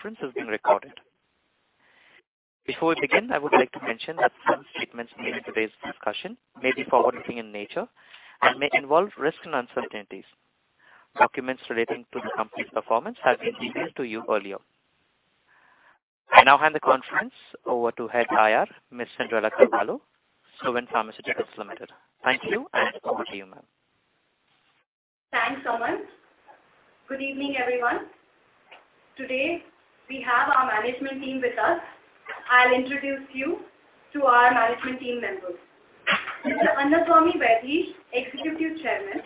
Please note that this conference is being recorded. Before we begin, I would like to mention that some statements made in today's discussion may be forward-looking in nature and may involve risks and uncertainties. Documents relating to the company's performance have been emailed to you earlier. I now hand the conference over to Head IR, Ms. Cyndrella Carvalho, Suven Pharmaceuticals Limited. Thank you, and over to you, ma'am. Thanks, Soman. Good evening, everyone. Today, we have our management team with us. I'll introduce you to our management team members. Mr. Annaswamy Vaidheesh, Executive Chairman,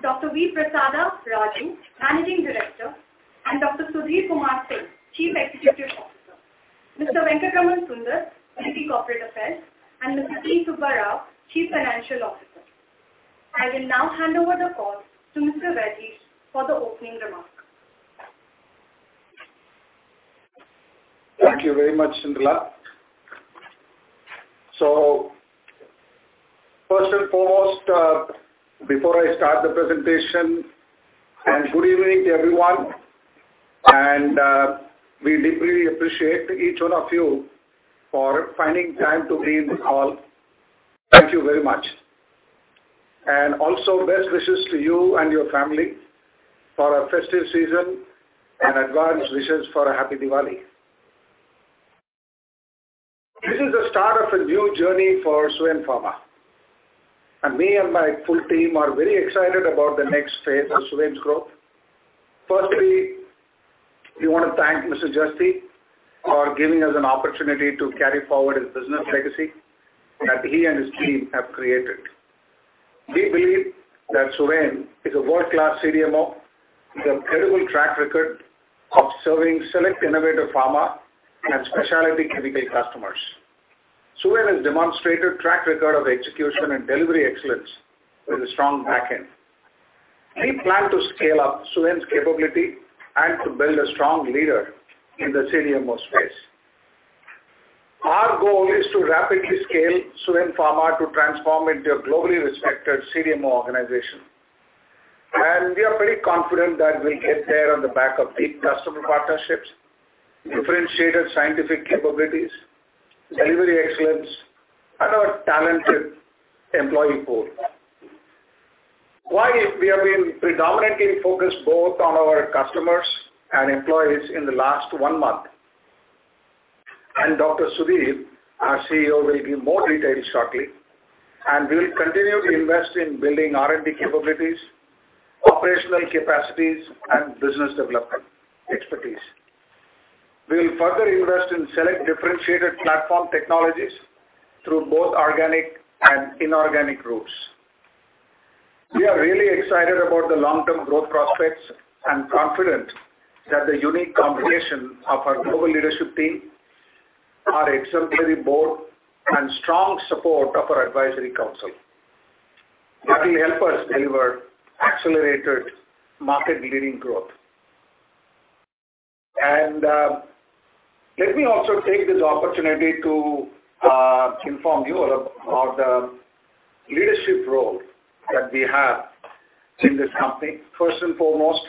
Dr. V. Prasada Raju, Managing Director, and Dr. Sudhir Kumar Singh, Chief Executive Officer. Mr. Venkatraman Sunder, Deputy Corporate Affairs, and Mr. P. Subba Rao, Chief Financial Officer. I will now hand over the call to Mr. Vaidheesh for the opening remarks. Thank you very much, Cyndrella. So first and foremost, before I start the presentation, and good evening to everyone, and, we deeply appreciate each one of you for finding time to be in our... Thank you very much. And also best wishes to you and your family for a festive season and advanced wishes for a happy Diwali. This is the start of a new journey for Suven Pharma, and me and my full team are very excited about the next phase of Suven's growth. Firstly, we want to thank Mr. Jasti for giving us an opportunity to carry forward his business legacy that he and his team have created. We believe that Suven is a world-class CDMO with an incredible track record of serving select innovative pharma and specialty chemical customers. Suven has demonstrated track record of execution and delivery excellence with a strong back-end. We plan to scale up Suven's capability and to build a strong leader in the CDMO space. Our goal is to rapidly scale Suven Pharma to transform into a globally respected CDMO organization, and we are pretty confident that we'll get there on the back of deep customer partnerships, differentiated scientific capabilities, delivery excellence, and our talented employee pool. While we have been predominantly focused both on our customers and employees in the last one month, and Dr. Sudhir, our CEO, will give more details shortly, and we will continue to invest in building R&D capabilities, operational capacities, and business development expertise. We will further invest in select differentiated platform technologies through both organic and inorganic routes. We are really excited about the long-term growth prospects and confident that the unique combination of our global leadership team, our exemplary board, and strong support of our advisory council, that will help us deliver accelerated market-leading growth. And, let me also take this opportunity to inform you about the leadership role that we have in this company. First and foremost,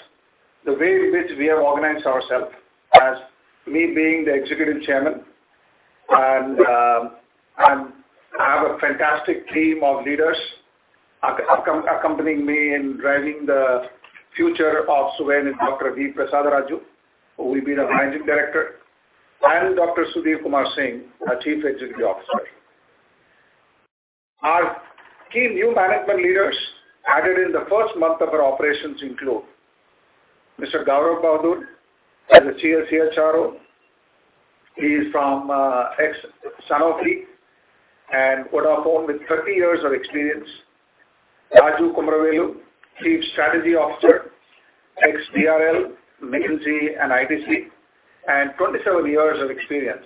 the way in which we have organized ourselves as me being the Executive Chairman, and I have a fantastic team of leaders accompanying me in driving the future of Suven, is Dr. V. Prasada Raju, who will be the Managing Director, and Dr. Sudhir Kumar Singh, our Chief Executive Officer. Our key new management leaders, added in the first month of our operations include Mr. Gaurav Bahadur, the CHRO. He is from ex-Sanofi and Vodafone, with 30 years of experience. Raj Kumaravelu, Chief Strategy Officer, ex-DRL, McKinsey, and ITC, and 27 years of experience.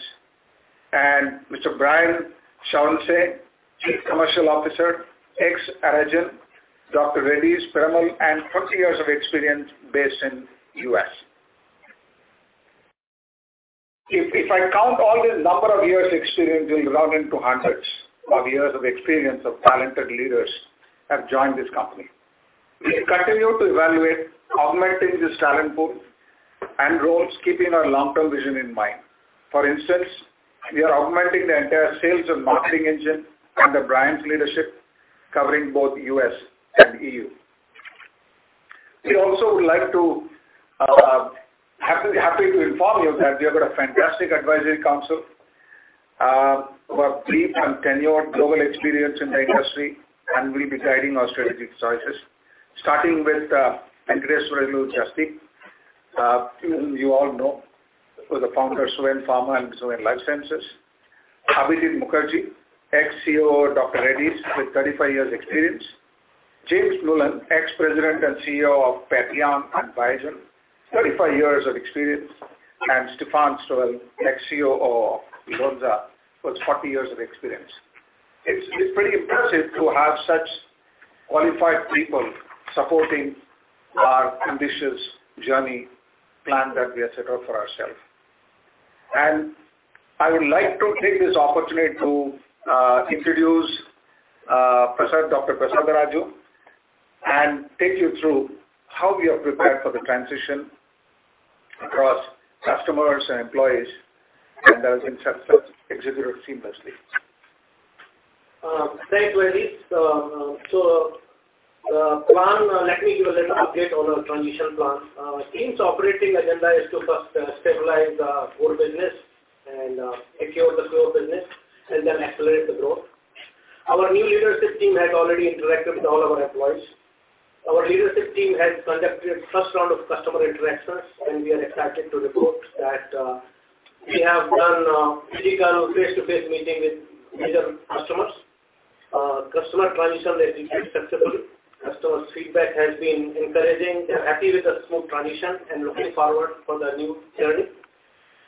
Mr. Brian Shaughnessy, Chief Commercial Officer, ex-Aragen, Dr. Reddy's, Piramal, and 30 years of experience based in U.S. If I count all the number of years experience, we'll run into hundreds of years of experience of talented leaders have joined this company. We continue to evaluate augmenting this talent pool and roles, keeping our long-term vision in mind. For instance, we are augmenting the entire sales and marketing engine under Brian's leadership, covering both U.S. and EU. We also would like to happy to inform you that we have got a fantastic Advisory Council who have brief and tenured global experience in the industry and will be guiding our strategic choices, starting with Venkateswarlu Jasti, whom you all know, who is the founder of Suven Pharma and Suven Life Sciences. Abhijit Mukherjee, ex-CEO, Dr. Reddy's, with 35 years experience. James Mullen, ex-President and CEO of Patheon and Biogen, 35 years of experience, and Stefan Stoffel, ex-CEO of Lonza, with 40 years of experience. It's pretty impressive to have such qualified people supporting our ambitious journey plan that we have set out for ourselves. I would like to take this opportunity to introduce V. Prasada Raju, Dr. Prasada Raju, and take you through how we are prepared for the transition across customers and employees, and how it can be executed seamlessly. Thanks, Vaidheesh. So, let me give a little update on our transition plan. Team's operating agenda is to first, stabilize the core business and, secure the core business, and then accelerate the growth. Our new leadership team has already interacted with all our employees. Our leadership team has conducted first round of customer interactions, and we are excited to report that, we have done, physical face-to-face meeting with major customers. Customer transition has been successful. Customer's feedback has been encouraging. They're happy with the smooth transition and looking forward for the new journey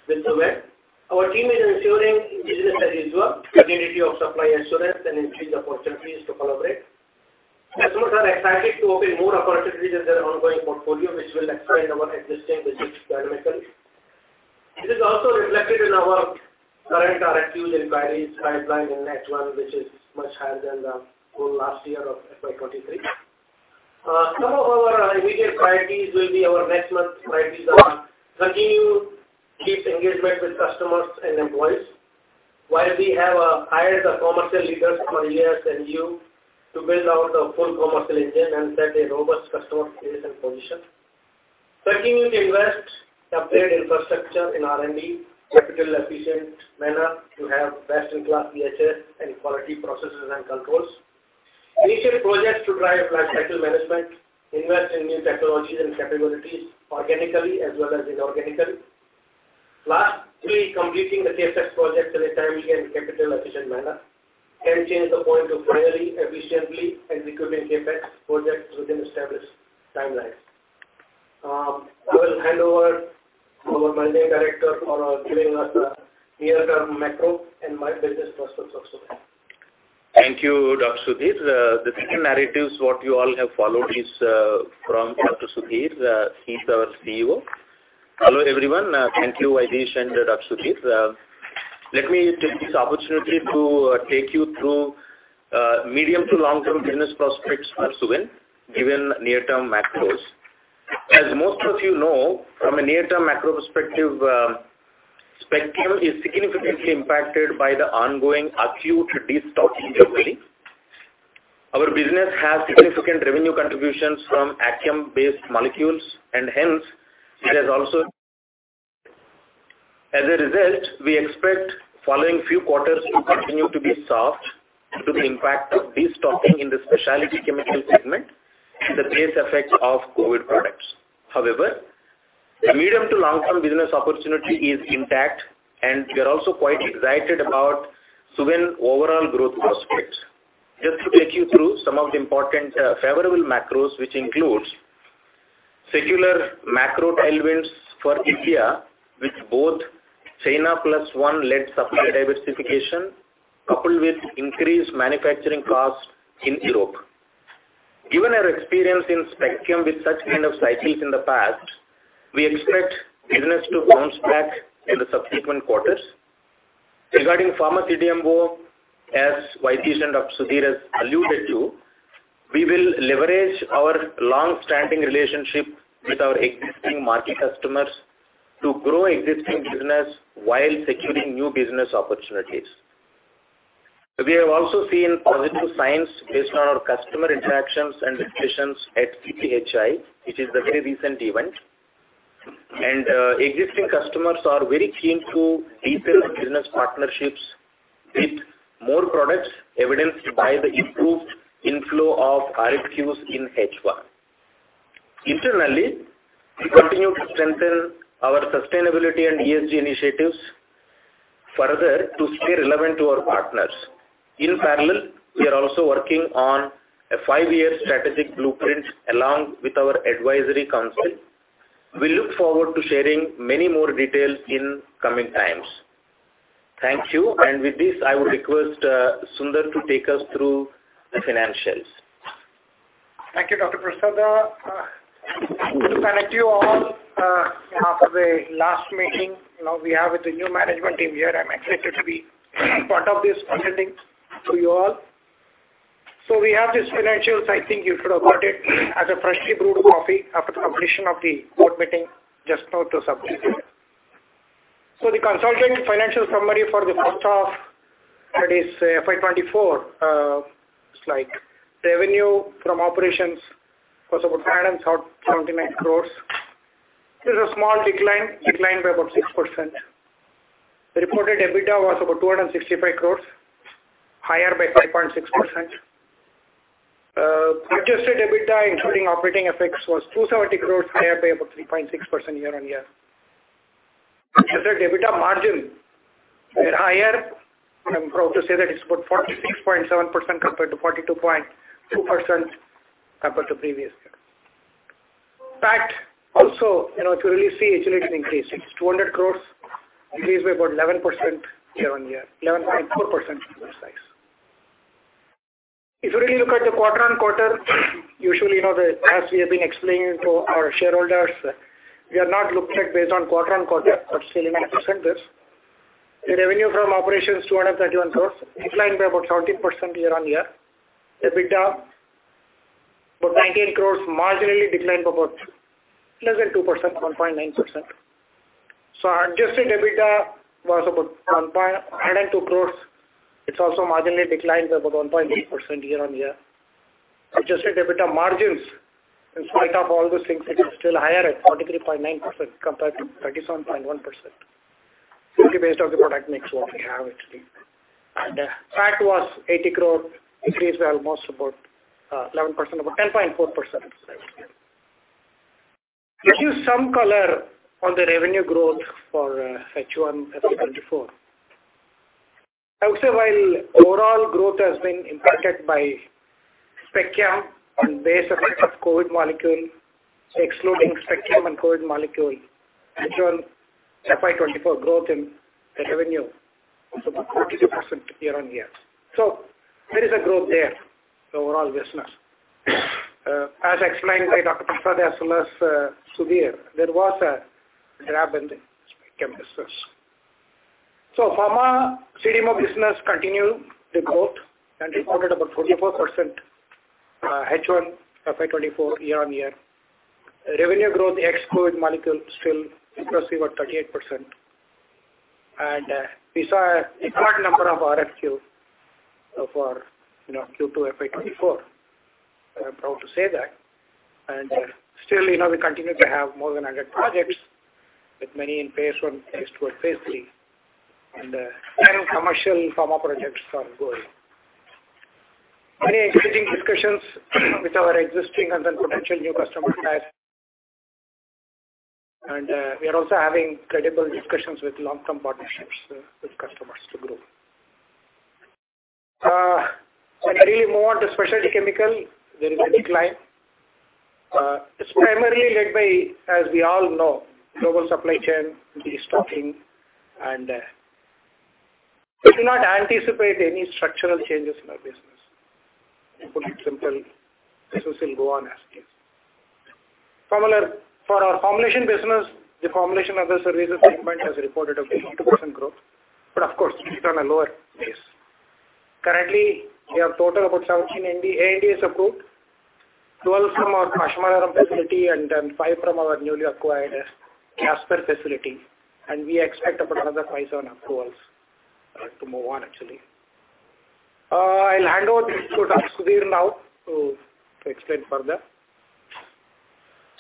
with Suven. Our team is ensuring business as usual, continuity of supply assurance, and increased opportunities to collaborate. Customers are excited to open more opportunities in their ongoing portfolio, which will expand our existing business dynamically. This is also reflected in our current RFQs, inquiries, pipeline, and next one, which is much higher than the whole last year of FY 2023. Some of our immediate priorities will be our next month's priorities are: continue deep engagement with customers and employees, while we have hired the commercial leaders, Maria and you, to build out a full commercial engine and set a robust customer creation position. Continuing to invest, upgrade infrastructure in R&D, capital efficient manner to have best-in-class EHS and quality processes and controls. Initial projects to drive life cycle management, invest in new technologies and capabilities organically as well as inorganically. Last, three, completing the CapEx project in a timely and capital-efficient manner, and change the point of view fairly, efficiently, and we could win CapEx projects within established timelines. I will hand over our Managing Director for giving us the near-term macro and my business prospects also. Thank you, Dr. Sudhir. The second narratives, what you all have followed is, from Dr. Sudhir. He's our CEO. Hello, everyone. Thank you, Vaidheesh and Dr. Sudhir. Let me take this opportunity to take you through, medium to long-term business prospects for Suven, given near-term macros. As most of you know, from a near-term macro perspective, SpecChem is significantly impacted by the ongoing acute destocking globally. Our business has significant revenue contributions from API-based molecules, and hence it has also... As a result, we expect following few quarters to continue to be soft due to the impact of destocking in the specialty chemical segment, the base effects of COVID products. However, the medium- to long-term business opportunity is intact, and we are also quite excited about Suven overall growth prospects. Just to take you through some of the important, favorable macros, which includes secular macro tailwinds for India, with both China-plus-one-led supply diversification, coupled with increased manufacturing costs in Europe. Given our experience in SpecChem with such kind of cycles in the past, we expect business to bounce back in the subsequent quarters. Regarding Pharma CDMO, as Vaidheesh and Dr. Sudhir has alluded to, we will leverage our long-standing relationship with our existing market customers to grow existing business while securing new business opportunities. We have also seen positive signs based on our customer interactions and discussions at CPHI, which is a very recent event. Existing customers are very keen to deepen their business partnerships with more products, evidenced by the improved inflow of RFQs in H1. Internally, we continue to strengthen our sustainability and ESG initiatives further to stay relevant to our partners. In parallel, we are also working on a five-year strategic blueprint, along with our Advisory Council. We look forward to sharing many more details in coming times. Thank you. And with this, I would request Sunder to take us through the financials. Thank you, Dr. Prasada. Thank you to connect you all, after the last meeting. Now, we have the new management team here. I'm excited to be part of this presenting to you all. So we have these financials. I think you should have got it as a freshly brewed coffee after the completion of the board meeting just now to submit it. So the consolidated financial summary for the first half, that is FY 2024, slide. Revenue from operations was about 579 crore. There's a small decline, decline by about 6%. Reported EBITDA was about 265 crore, higher by 5.6%. Adjusted EBITDA, including operating effects, was 270 crore, higher by about 3.6% year-on-year. Adjusted EBITDA margin were higher, and I'm proud to say that it's about 46.7% compared to 42.2% compared to previous year. In fact, also, you know, if you really see, it's really an increase. It's 200 crore, increased by about 11% year-on-year, 11.4%... If you really look at the quarter-on-quarter, usually, you know, the, as we have been explaining to our shareholders, we are not looked at based on quarter-on-quarter, but still in percentages. The revenue from operations 231 crore, declined by about 13% year-on-year. EBITDA, about 19 crore, marginally declined by about less than 2%, 1.9%. So adjusted EBITDA was about 102 crore. It's also marginally declined by about 1.8% year-on-year. Adjusted EBITDA margins, in spite of all those things, it is still higher at 43.9% compared to 37.1%, simply based on the product mix what we have actually. And, PAT was 80 crore, increased by almost about, 11%, about 10.4%. Give you some color on the revenue growth for, H1 FY 2024. Also, while overall growth has been impacted by SpecChem on base effect of COVID molecule, excluding SpecChem and COVID molecule, H1 FY 2024 growth in the revenue was about 42% year-on-year. So there is a growth there, the overall business. As explained by Dr. Prasad as well as, Sudhir, there was a drop in the SpecChem business. So Pharma CDMO business continued the growth and reported about 44%, H1 FY 2024 year-on-year. Revenue growth, the X-code molecule, still impressive, about 38%. And we saw a record number of RFQ for, you know, Q2 FY 2024. I'm proud to say that. And still, you know, we continue to have more phase I, phase II, and phase III, and 10 commercial pharma projects are going. many exciting discussions with our existing and then potential new customers as... And we are also having credible discussions with long-term partnerships with customers to grow. When I really move on to specialty chemical, there is a decline. It's primarily led by, as we all know, global supply chain destocking, and we do not anticipate any structural changes in our business. To put it simple, business will go on as usual. Formulations- For our formulation business, the formulation of the services segment has reported a 52% growth, but of course, it's on a lower base. Currently, we have total about 17 ANDAs approved, 12 from our Pashamylaram facility, and then five from our newly acquired Casper facility, and we expect about another five-seven approvals to move on, actually. I'll hand over to Dr. Sudhir now to, to explain further.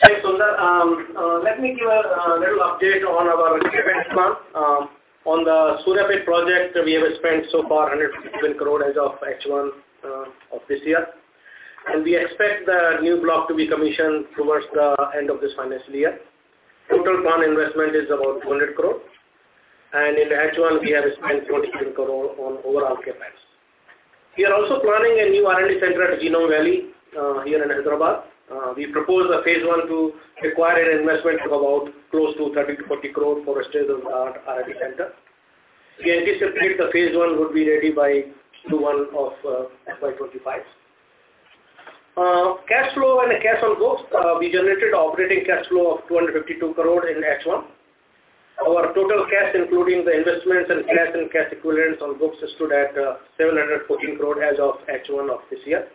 Hi, Sunder. Let me give a little update on our CapEx plan. On the Suryapet project, we have spent so far 116 crore as of H1 of this year, and we expect the new block to be commissioned towards the end of this financial year. Total plan investment is about 200 crore, and in the H1, we have spent 47 crore on overall CapEx. We are also planning a new R&D center at Genome Valley here in Hyderabad. We phase I to require an investment of about close to 30 to 40 crore for a state-of-the-art R&D center. We phase I would be ready by Q1 of FY 2025. Cash flow and the cash on books, we generated operating cash flow of 252 crore in H1. Our total cash, including the investments and cash, and cash equivalents on books, stood at 714 crore as of H1 of this year.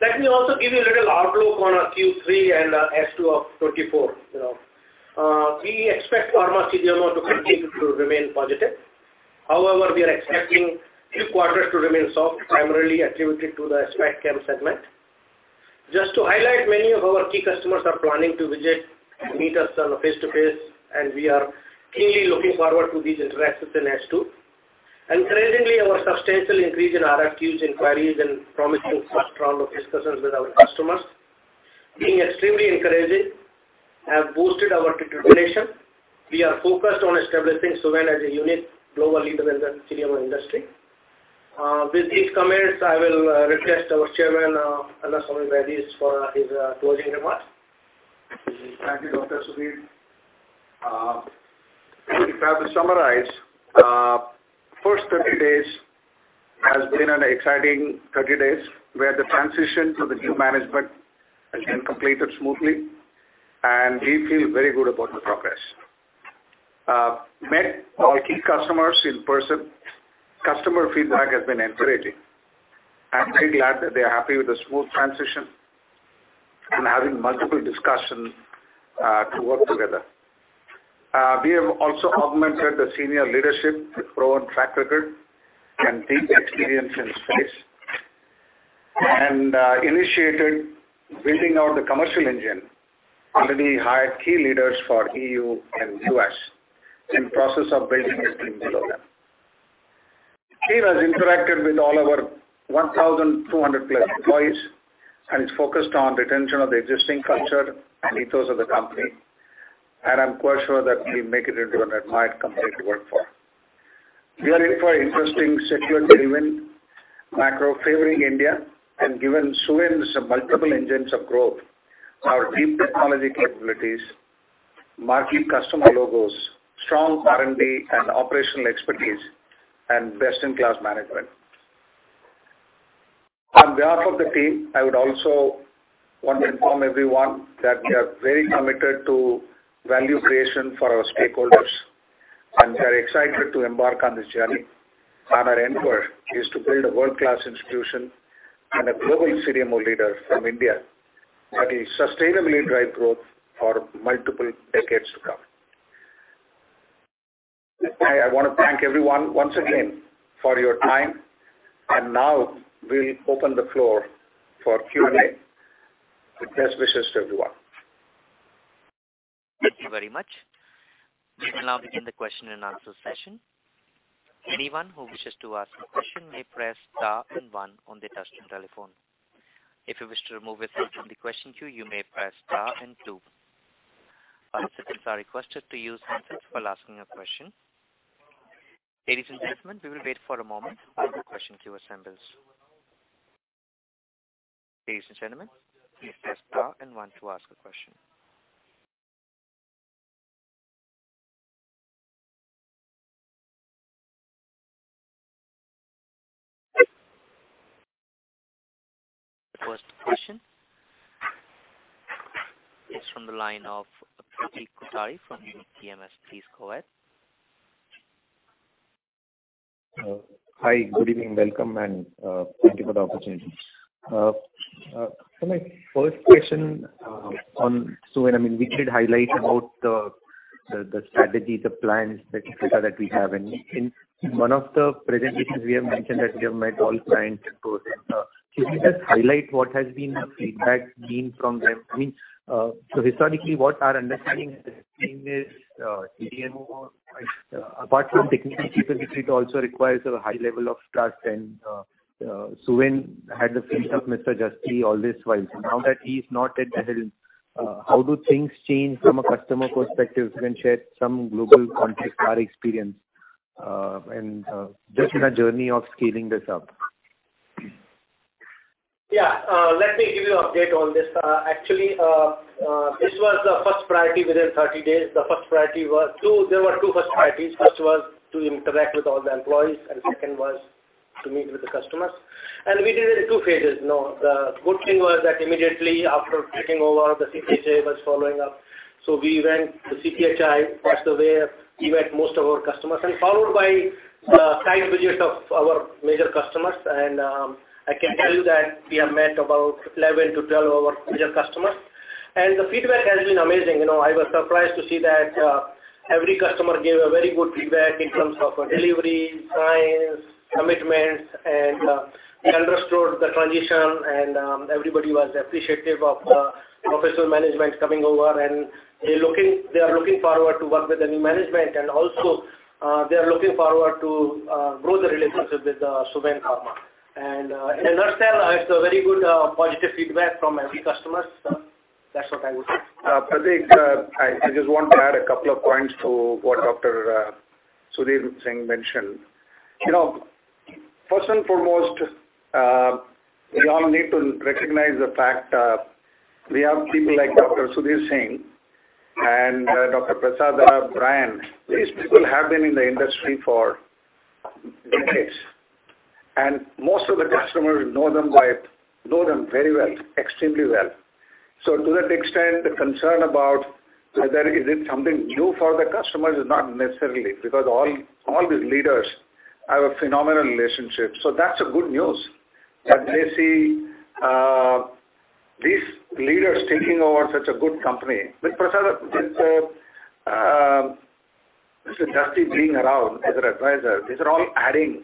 Let me also give you a little outlook on our Q3 and H2 of 2024, you know. We expect Pharma CDMO to continue to remain positive. However, we are expecting Q4 to remain soft, primarily attributed to the SpecChem segment. Just to highlight, many of our key customers are planning to visit and meet us on a face-to-face, and we are keenly looking forward to these interactions in H2. Encouragingly, our substantial increase in RFQs, inquiries, and promising first round of discussions with our customers, being extremely encouraging, have boosted our determination. We are focused on establishing Suven as a unique global leader in the CDMO industry. With these comments, I will request our Chairman, Annaswamy Vaidheesh, for his closing remarks. Thank you, Dr. Sudhir. If I have to summarize, first 30 days has been an exciting 30 days, where the transition to the new management has been completed smoothly, and we feel very good about the progress. Met our key customers in person. Customer feedback has been encouraging. I'm very glad that they are happy with the smooth transition and having multiple discussions to work together. We have also augmented the senior leadership with proven track record and deep experience in this space, and initiated building out the commercial engine. Already hired key leaders for EU and US, in process of building a team below them. team has interacted with all our 1,200+ employees, and is focused on retention of the existing culture and ethos of the company, and I'm quite sure that we make it into an admired company to work for. We are in for interesting secular driven, macro favoring India, and given Suven's multiple engines of growth, our deep technology capabilities, markedly customer logos, strong R&D and operational expertise and best-in-class management. On behalf of the team, I would also want to inform everyone that we are very committed to value creation for our stakeholders, and we are excited to embark on this journey. Our endeavor is to build a world-class institution and a global CDMO leader from India that is sustainably drive growth for multiple decades to come. I, I want to thank everyone once again for your time, and now we'll open the floor for Q&A. Best wishes to everyone. Thank you very much. We will now begin the question and answer session. Anyone who wishes to ask a question may press star and one on their touchtone telephone. If you wish to remove yourself from the question queue, you may press star and two. Participants are requested to use headset while asking a question. Ladies and gentlemen, we will wait for a moment while the question queue assembles. Ladies and gentlemen, please press star and one to ask a question. The first question is from the line of Pratik Kothari from Unique PMS. Please go ahead. Hi, good evening. Welcome, and thank you for the opportunity. So my first question, on, so I mean, we did highlight about the strategy, the plans that we have. In one of the presentations, we have mentioned that we have met all clients and so on. Can you just highlight what the feedback has been from them? I mean, so historically, what our understanding is, CDMO, apart from technical capability, it also requires a high level of trust. Suven had the face of Mr. Jasti all this while. So now that he's not at the helm, how do things change from a customer perspective? You can share some global context, our experience, and just in our journey of scaling this up. Yeah, let me give you an update on this. Actually, this was the first priority within 30 days. The first priority was two... There were two first priorities. First was to interact with all the employees, and second was to meet with the customers. And we did it in two phases. You know, the good thing was that immediately after taking over, the CPA was following up. So we went, the CPHI passed away. We met most of our customers, and followed by, site visits of our major customers. And, I can tell you that we have met about 11 to 12 of our major customers, and the feedback has been amazing. You know, I was surprised to see that every customer gave a very good feedback in terms of delivery, science, commitments, and they understood the transition, and everybody was appreciative of the professional management coming over. And they're looking - they are looking forward to work with the new management, and also, they are looking forward to grow the relationship with Suven Pharma. And in nutshell, it's a very good positive feedback from every customer. So that's what I would say. Pratik, I just want to add a couple of points to what Dr. Sudhir Singh mentioned. You know, first and foremost, we all need to recognize the fact, we have people like Dr. Sudhir Singh and Dr. Prasada Raju. These people have been in the industry for decades, and most of the customers know them by, know them very well, extremely well. So to that extent, the concern about whether is it something new for the customers is not necessarily, because all, all these leaders have a phenomenal relationship. So that's a good news, that they see, these leaders taking over such a good company. With Prasada, Mr. Jasti being around as an advisor, these are all adding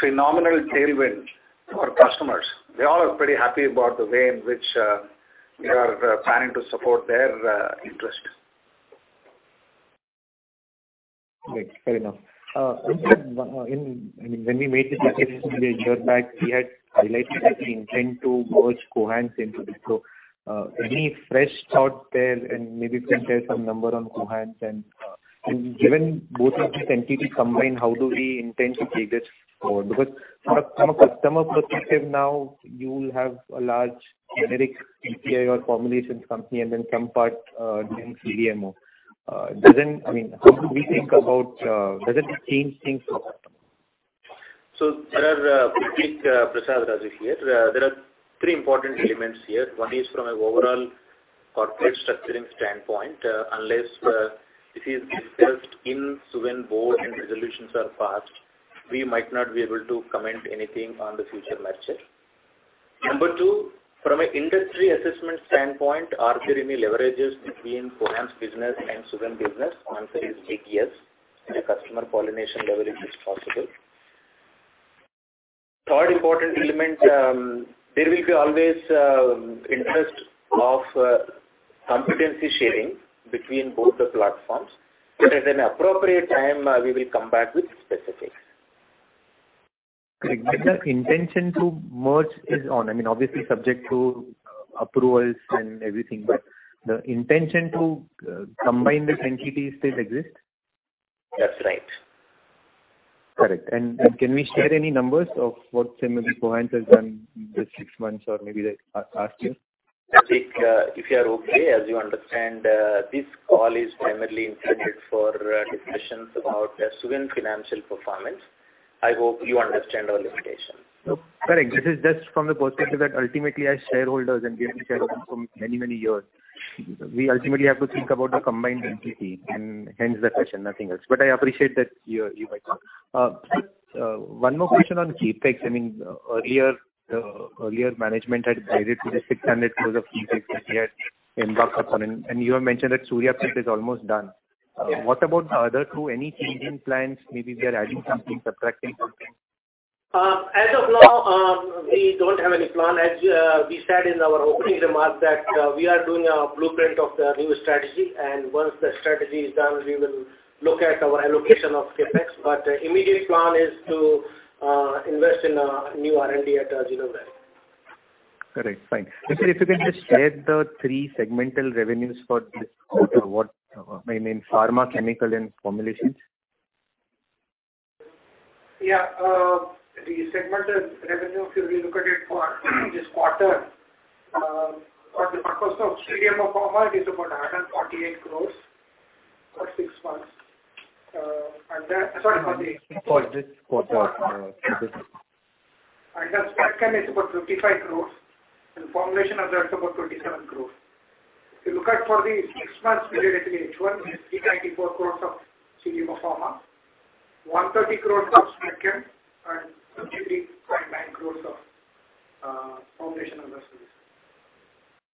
phenomenal tailwind to our customers. They all are pretty happy about the way in which, we are planning to support their, interest. Great. Fair enough. In, I mean, when we made the presentation a year back, we had highlighted that we intend to merge Cohance into this. So, any fresh thought there, and maybe you can share some number on Cohance. And, given both of these entities combined, how do we intend to take this forward? Because from a customer perspective, now you will have a large generic API or formulations company, and then some part in CDMO. Doesn't... I mean, how do we think about, does it change things for them? So there are, Pratik, Prasada Raju here. There are three important elements here. One is from an overall corporate structuring standpoint. Unless this is discussed in Suven board and resolutions are passed, we might not be able to comment anything on the future merger. Number two, from an industry assessment standpoint, are there any leverages between Cohance business and Suven business? Answer is a big yes. The customer pollination leverage is possible. Third important element, there will be always interest of competency sharing between both the platforms, but at an appropriate time, we will come back with specifics. Great. The intention to merge is on, I mean, obviously subject to approvals and everything, but the intention to combine the entities still exists? That's right.... Correct. And can we share any numbers of what, say, maybe Cohance has done in the six months or maybe the last year? I think, if you are okay, as you understand, this call is primarily intended for discussions about the Suven financial performance. I hope you understand our limitations. Correct. This is just from the perspective that ultimately, as shareholders, and we have been shareholders for many, many years, we ultimately have to think about the combined entity, and hence the question, nothing else. But I appreciate that you, you might not. One more question on CapEx. I mean, earlier, earlier management had guided to the 600 crore of CapEx that we had embarked upon, and, and you have mentioned that Suryapet is almost done. What about the other two? Any change in plans? Maybe we are adding something, subtracting something. As of now, we don't have any plan. As we said in our opening remarks that we are doing a blueprint of the new strategy, and once the strategy is done, we will look at our allocation of CapEx. But the immediate plan is to invest in a new R&D at Genome. Correct. Fine. If you can just share the three segmental revenues for this quarter, I mean, pharma, chemical, and formulations. Yeah, the segmental revenue, if you look at it for this quarter, for the purpose of CDMO Pharma is about 148 crore for six months. And then, sorry, for the- For this quarter. Yeah. And the SpecChem is about 55 crore, and formulation is about 27 crore. If you look at for the six-month period, H1, is 394 crore of CDMO Pharma, 130 crore of SpecChem, and 23.9 crore of formulation services.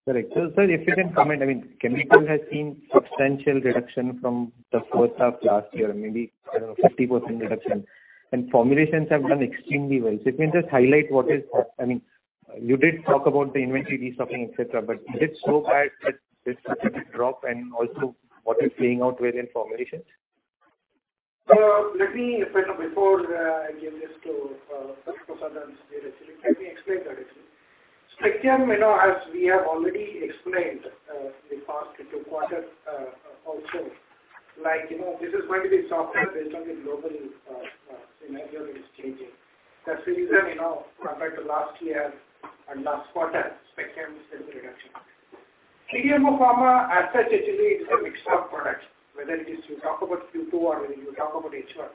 Correct. So, sir, if you can comment, I mean, chemical has seen substantial reduction from the first half of last year, maybe, I don't know, 50% reduction, and formulations have done extremely well. So if you can just highlight what is... I mean, you did talk about the inventory restocking, et cetera, et cetera, but is it so bad that this drop and also what is playing out well in formulations? Let me explain that. SpecChem, you know, as we have already explained, the past two quarters, also, like, you know, this is going to be softer based on the global scenario is changing. That's the reason, you know, compared to last year and last quarter, SpecChem has seen a reduction. CDMO Pharma as such, actually, it's a mixed up product, whether it is you talk about Q2 or you talk about H1.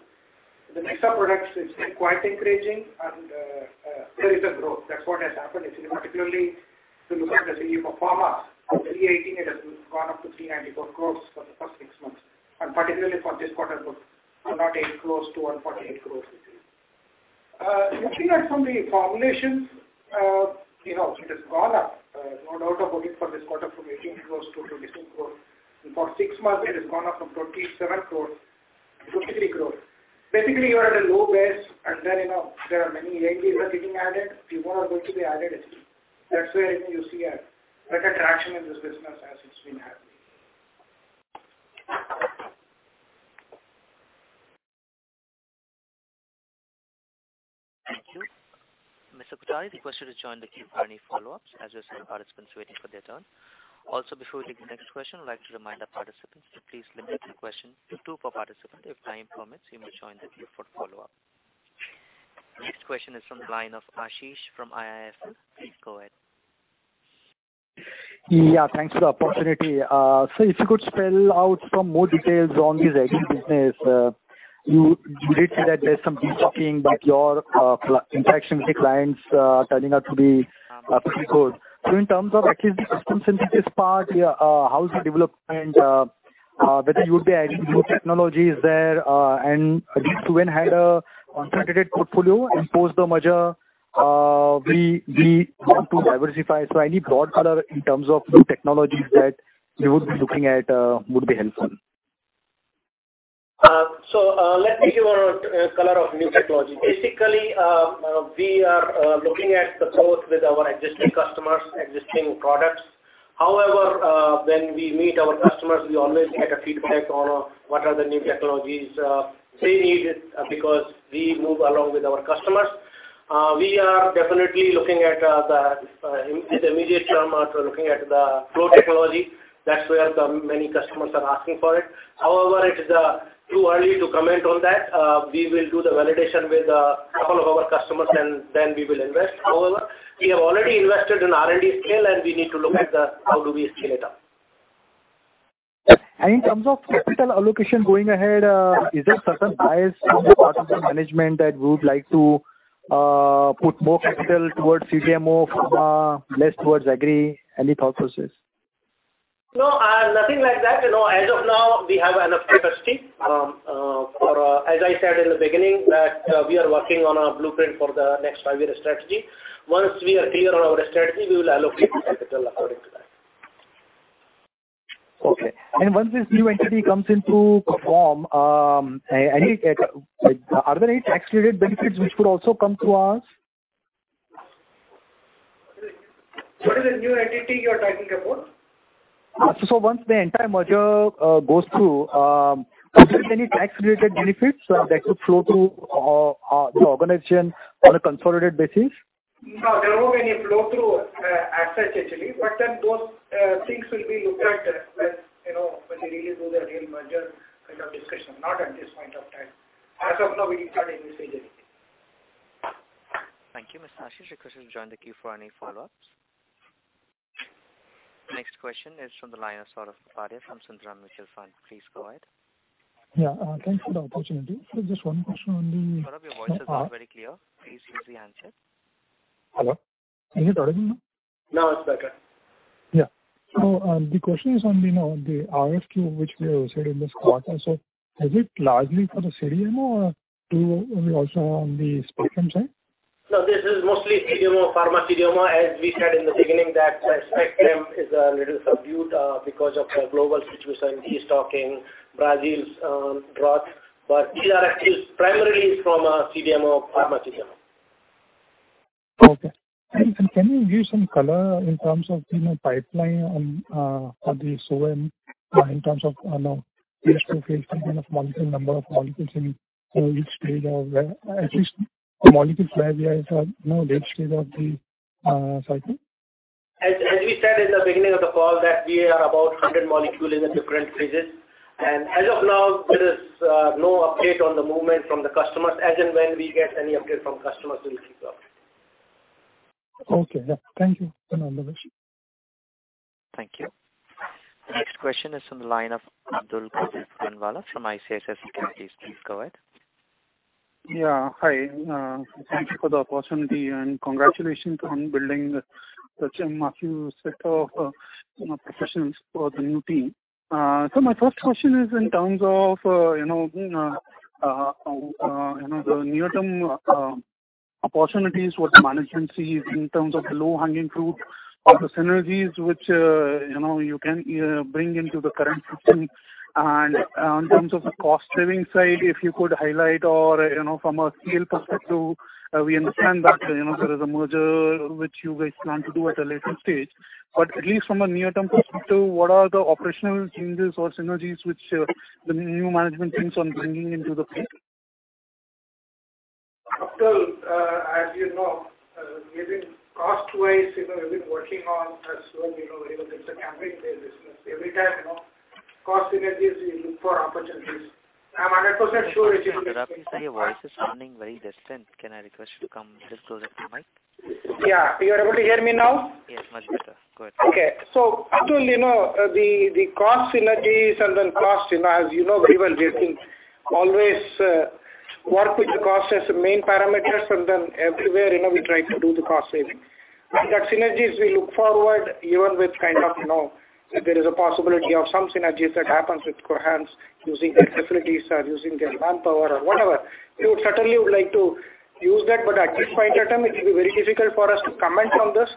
The mix of products is quite encouraging and there is a growth. That's what has happened. Actually, particularly, if you look at the CDMO Pharma, from 318 crore it has gone up to 394 crore for the first six months, and particularly for this quarter, growth from 98 crore to 148 crore. Looking at from the formulations, you know, it has gone up, no doubt about it, for this quarter from 18 crore to 22 crore. For six months, it has gone up from 27 crore to 23 crore. Basically, you are at a low base, and then, you know, there are many ANDAs that are getting added, people are going to be added. That's where you see a better traction in this business as it's been happening. Thank you. Mr. Kothari, the question has joined the queue for any follow-ups, as there are some participants waiting for their turn. Also, before we take the next question, I'd like to remind our participants to please limit the question to two per participant. If time permits, you may join the queue for follow-up. Next question is from the line of Ashish from IIFL. Please go ahead. Yeah, thanks for the opportunity. So if you could spell out some more details on this agri-business, you did say that there's some destocking, but your interaction with the clients turning out to be pretty good. So in terms of actually the custom synthesis part, how is the development, whether you would be adding new technologies there, and Suven had a concentrated portfolio and post the merger, we want to diversify. So any broad color in terms of new technologies that you would be looking at would be helpful. So, let me give you a color of new technology. Basically, we are looking at the growth with our existing customers, existing products. However, when we meet our customers, we always get a feedback on what are the new technologies they needed because we move along with our customers. We are definitely looking at, in the immediate term, we're looking at the flow technology. That's where the many customers are asking for it. However, it is too early to comment on that. We will do the validation with couple of our customers, and then we will invest. However, we have already invested in R&D scale, and we need to look at the how do we scale it up. In terms of capital allocation going ahead, is there certain bias on the part of the management that we would like to put more capital towards CDMO Pharma, less towards Agri? Any thought process? No, nothing like that. You know, as of now, we have enough capacity. As I said in the beginning, we are working on a blueprint for the next five-year strategy. Once we are clear on our strategy, we will allocate the capital according to that. Okay. And once this new entity comes into form, are there any tax-related benefits which could also come through us? What is this new entity you are talking about? Once the entire merger goes through, are there any tax-related benefits that could flow through the organization on a consolidated basis?... No, there are not many flow through, as such actually, but then those things will be looked at when, you know, when we really do the real merger kind of discussion, not at this point of time. As of now, we haven't started any synergy. Thank you, Mr. Ashish. You're requested to join the queue for any follow-ups. Next question is from the line of Saurabh Kapadia from Sundaram Mutual Fund. Please go ahead. Yeah, thanks for the opportunity. So just one question on the- Saurabh, your voice is not very clear. Please use the handset. Hello, can you hear me now? Now it's better. Yeah. So, the question is on the, you know, the RFQ, which we have said in this quarter. So is it largely for the CDMO, or do we also on the SpecChem side? No, this is mostly CDMO, Pharma CDMO. As we said in the beginning, that SpecChem is a little subdued, because of the global situation, destocking, Brazil's drought. But these are actually primarily from CDMO, Pharma CDMO. Okay. And, and can you give some color in terms of, you know, pipeline on, on the Suven in phase III kind of molecule, number of molecules in, so each stage of, at least the molecules where we are, you know, late stage of the cycle? As we said in the beginning of the call, we are about 100 molecules in the different phases. As of now, there is no update on the movement from the customers. As and when we get any update from customers, we'll keep you updated. Okay, yeah. Thank you. Have a nice day. Thank you. The next question is from the line of Abdulkader Puranwala from ICICI Securities. Please go ahead. Yeah, hi. Thank you for the opportunity, and congratulations on building such a massive set of, you know, professionals for the new team. So my first question is in terms of, you know, the near-term opportunities, what the management sees in terms of the low-hanging fruit or the synergies which, you know, you can bring into the current system. In terms of the cost-saving side, if you could highlight or, you know, from a scale perspective, we understand that, you know, there is a merger which you guys plan to do at a later stage. But at least from a near-term perspective, what are the operational changes or synergies which, the new management teams on bringing into the fold? Abdul, as you know, we've been cost-wise, you know, we've been working on, so, you know, it's a campaign business. Every time, you know, cost synergies, we look for opportunities. I'm 100% sure it will be- Your voice is sounding very distant. Can I request you to come just close to the mic? Yeah. You are able to hear me now? Yes, much better. Go ahead. Okay. So Abdul, you know, the, the cost synergies and then cost, you know, as you know very well, we think always, work with the cost as the main parameters, and then everywhere, you know, we try to do the cost saving. And that synergies we look forward, even with kind of, you know, if there is a possibility of some synergies that happens with Cohance, using their facilities or using their manpower or whatever, we would certainly would like to use that. But at this point of time, it will be very difficult for us to comment on this,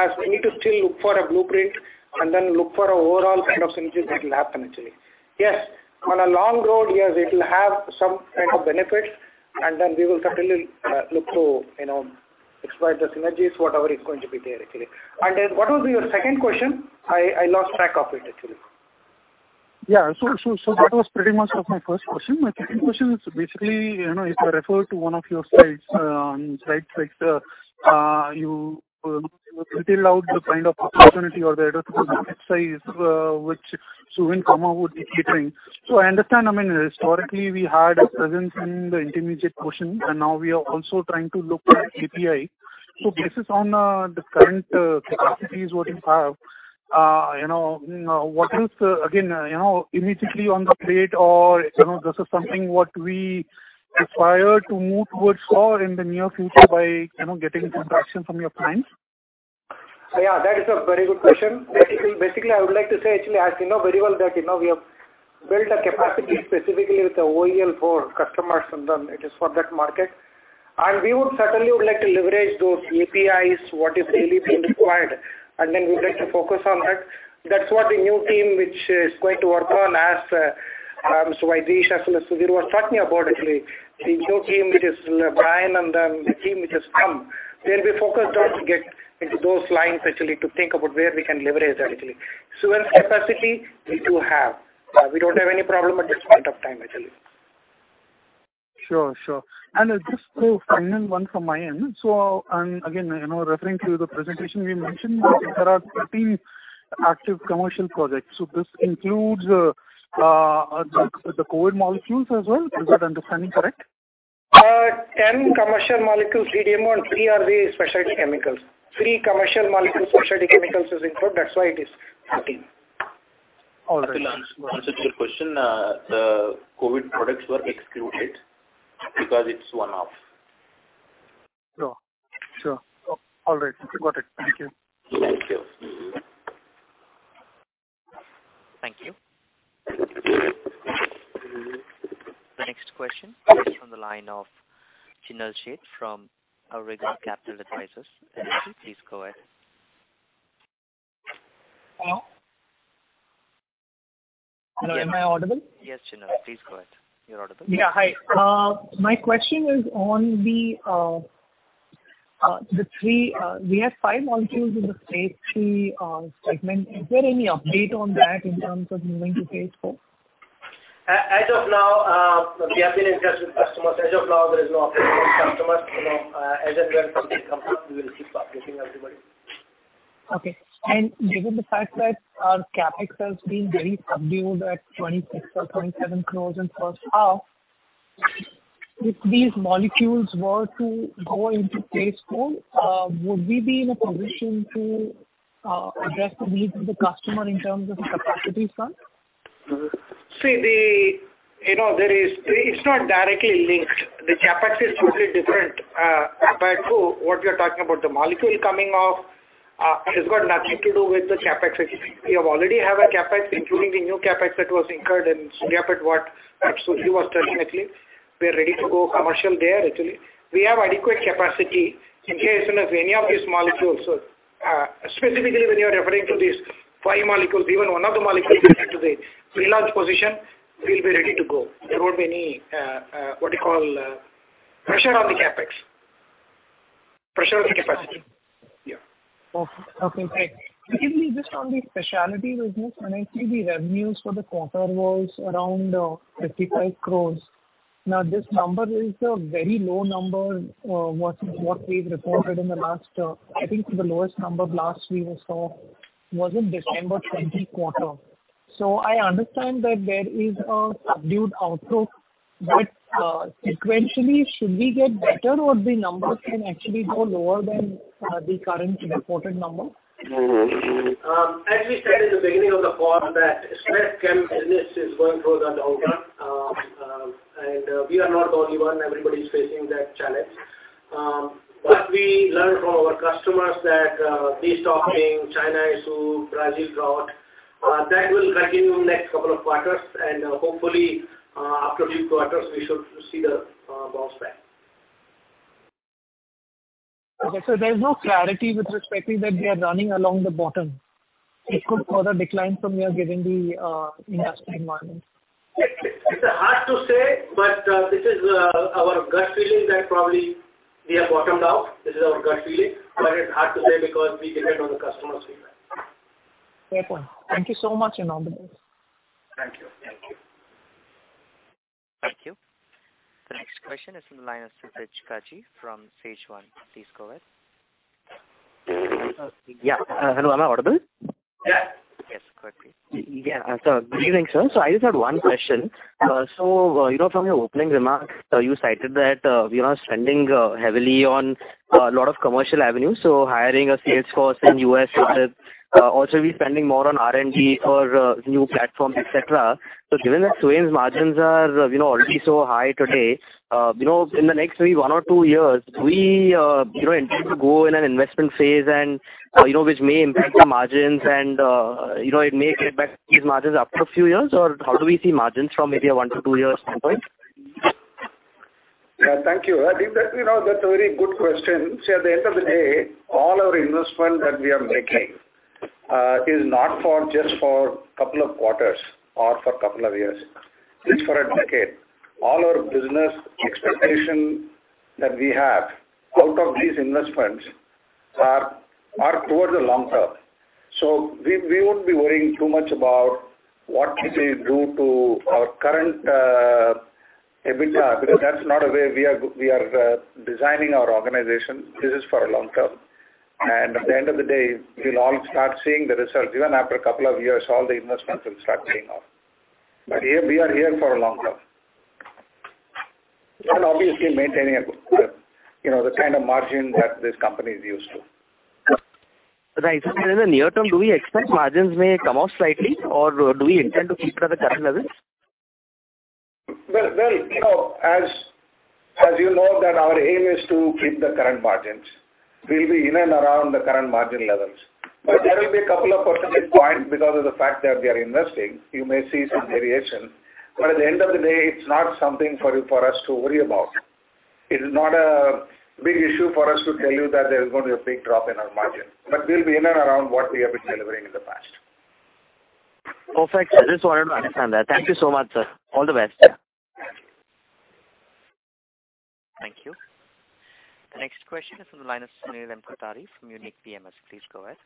as we need to still look for a blueprint and then look for a overall kind of synergies that will happen actually. Yes, on a long road, yes, it will have some kind of benefits, and then we will certainly look to, you know, exploit the synergies, whatever is going to be there, actually. And then what was your second question? I lost track of it, actually. Yeah. So that was pretty much of my first question. My second question is basically, you know, if I refer to one of your slides, slides like the, you detailed out the kind of opportunity or the market size, which Suven Pharma would be catering. So I understand, I mean, historically, we had a presence in the intermediate portion, and now we are also trying to look at API. So based on the current capacities what you have, you know, what is, again, you know, immediately on the plate or, you know, this is something what we aspire to move towards or in the near future by, you know, getting some traction from your clients? Yeah, that is a very good question. Basically, I would like to say actually, as you know very well, that, you know, we have built a capacity specifically with the OEL for customers, and then it is for that market. And we would certainly would like to leverage those APIs, what is really being required, and then we would like to focus on that. That's what the new team, which is going to work on as, Mr. Vaidheesh, as well as Sudhir, were talking about actually. The new team, it is Brian and then the team which has come, they'll be focused on to get into those lines actually, to think about where we can leverage that actually. Suven capacity, we do have. We don't have any problem at this point of time, actually. Sure, sure. Just a final one from my end. And again, you know, referring to the presentation, you mentioned there are 13 active commercial projects. This includes the COVID molecules as well? Is that understanding correct? 10 commercial molecules, CDMO, and three are the specialty chemicals. Three commercial molecules, specialty chemicals is included. That's why it is 13. All right. To answer to your question, the COVID products were excluded because it's one-off. Sure, sure. All right, got it. Thank you. Thank you. Thank you. The next question is from the line of Kunal Jain from Aliya Capital Advisors. Please go ahead. Hello? Hello, am I audible? Yes, Kunal, please go ahead. You're audible. Yeah, hi. My question is on the, the three, we have phase III segment. is there any update on that in terms of moving tophase Iv?... As of now, we have been in touch with customers. As of now, there is no update from customers. You know, as and when something comes up, we will keep updating everybody. Okay. Given the fact that our CapEx has been very subdued at 26-27 crore in first half, if these molecules were to go into pilot scale, would we be in a position to address the needs of the customer in terms of the capacity, sir? See, you know, there is—it's not directly linked. The CapEx is totally different, compared to what you're talking about. The molecule coming off has got nothing to do with the CapEx. We have already have a CapEx, including the new CapEx that was incurred in Suryapet, which Suji was telling actually. We are ready to go commercial there, actually. We have adequate capacity in case of any of these molecules. Specifically, when you are referring to these five molecules, even one of the molecules get to the pre-launch position, we'll be ready to go. There won't be any, what you call, pressure on the CapEx. Pressure on the capacity. Yeah. Okay, great. Maybe just on the specialty business, I think the revenues for the quarter was around 55 crore. Now, this number is a very low number, what, what we've reported in the last... I think the lowest number last we saw was in December 2020 quarter. So I understand that there is a subdued outlook, but, sequentially, should we get better, or the numbers can actually go lower than, the current reported number? As we said in the beginning of the call, that SpecChem business is going through the downturn, and we are not the only one. Everybody is facing that challenge. What we learned from our customers that this talking China issue, Brazil drought, that will continue next couple of quarters, and hopefully, after few quarters, we should see the bounce back. Okay, so there's no clarity with respect to that they are running along the bottom. It could further decline from here, given the industry environment. It's, it's hard to say, but, this is, our gut feeling that probably we have bottomed out. This is our gut feeling, but it's hard to say because we depend on the customer feedback. Fair point. Thank you so much, and all the best. Thank you. Thank you. Thank you. The next question is from the line of Kshitij Kaji from Sage One, please go ahead. Yeah. Hello, am I audible? Yeah. Yes, go ahead, please. Yeah. Good evening, sir. I just had one question. So you know, from your opening remarks, you cited that we are spending heavily on a lot of commercial avenues, so hiring a sales force in U.S. Also, we're spending more on R&D for new platforms, et cetera. So given that Suven's margins are, you know, already so high today, you know, in the next maybe one or two years, do we, you know, intend to go in an investment phase and, you know, which may impact the margins and, you know, it may get back these margins after a few years? Or how do we see margins from maybe a one to two years standpoint? Yeah, thank you. I think that, you know, that's a very good question. So at the end of the day, all our investment that we are making is not just for a couple of quarters or for a couple of years, it's for a decade. All our business expectation that we have out of these investments are towards the long term. So we won't be worrying too much about what it will do to our current EBITDA, because that's not the way we are designing our organization. This is for a long term, and at the end of the day, we'll all start seeing the results. Even after a couple of years, all the investments will start paying off. But here, we are here for a long term. Obviously maintaining a good, you know, the kind of margin that this company is used to. Right. So in the near term, do we expect margins may come off slightly, or do we intend to keep them at the current levels? Well, well, you know, as you know that our aim is to keep the current margins. We'll be in and around the current margin levels, but there will be a couple of percentage points because of the fact that we are investing. You may see some variation, but at the end of the day, it's not something for us to worry about. It is not a big issue for us to tell you that there's going to be a big drop in our margin, but we'll be in and around what we have been delivering in the past. Perfect, sir. Just wanted to understand that. Thank you so much, sir. All the best. Thank you. The next question is from the line of Sunil Kothari from Unique PMS. Please go ahead.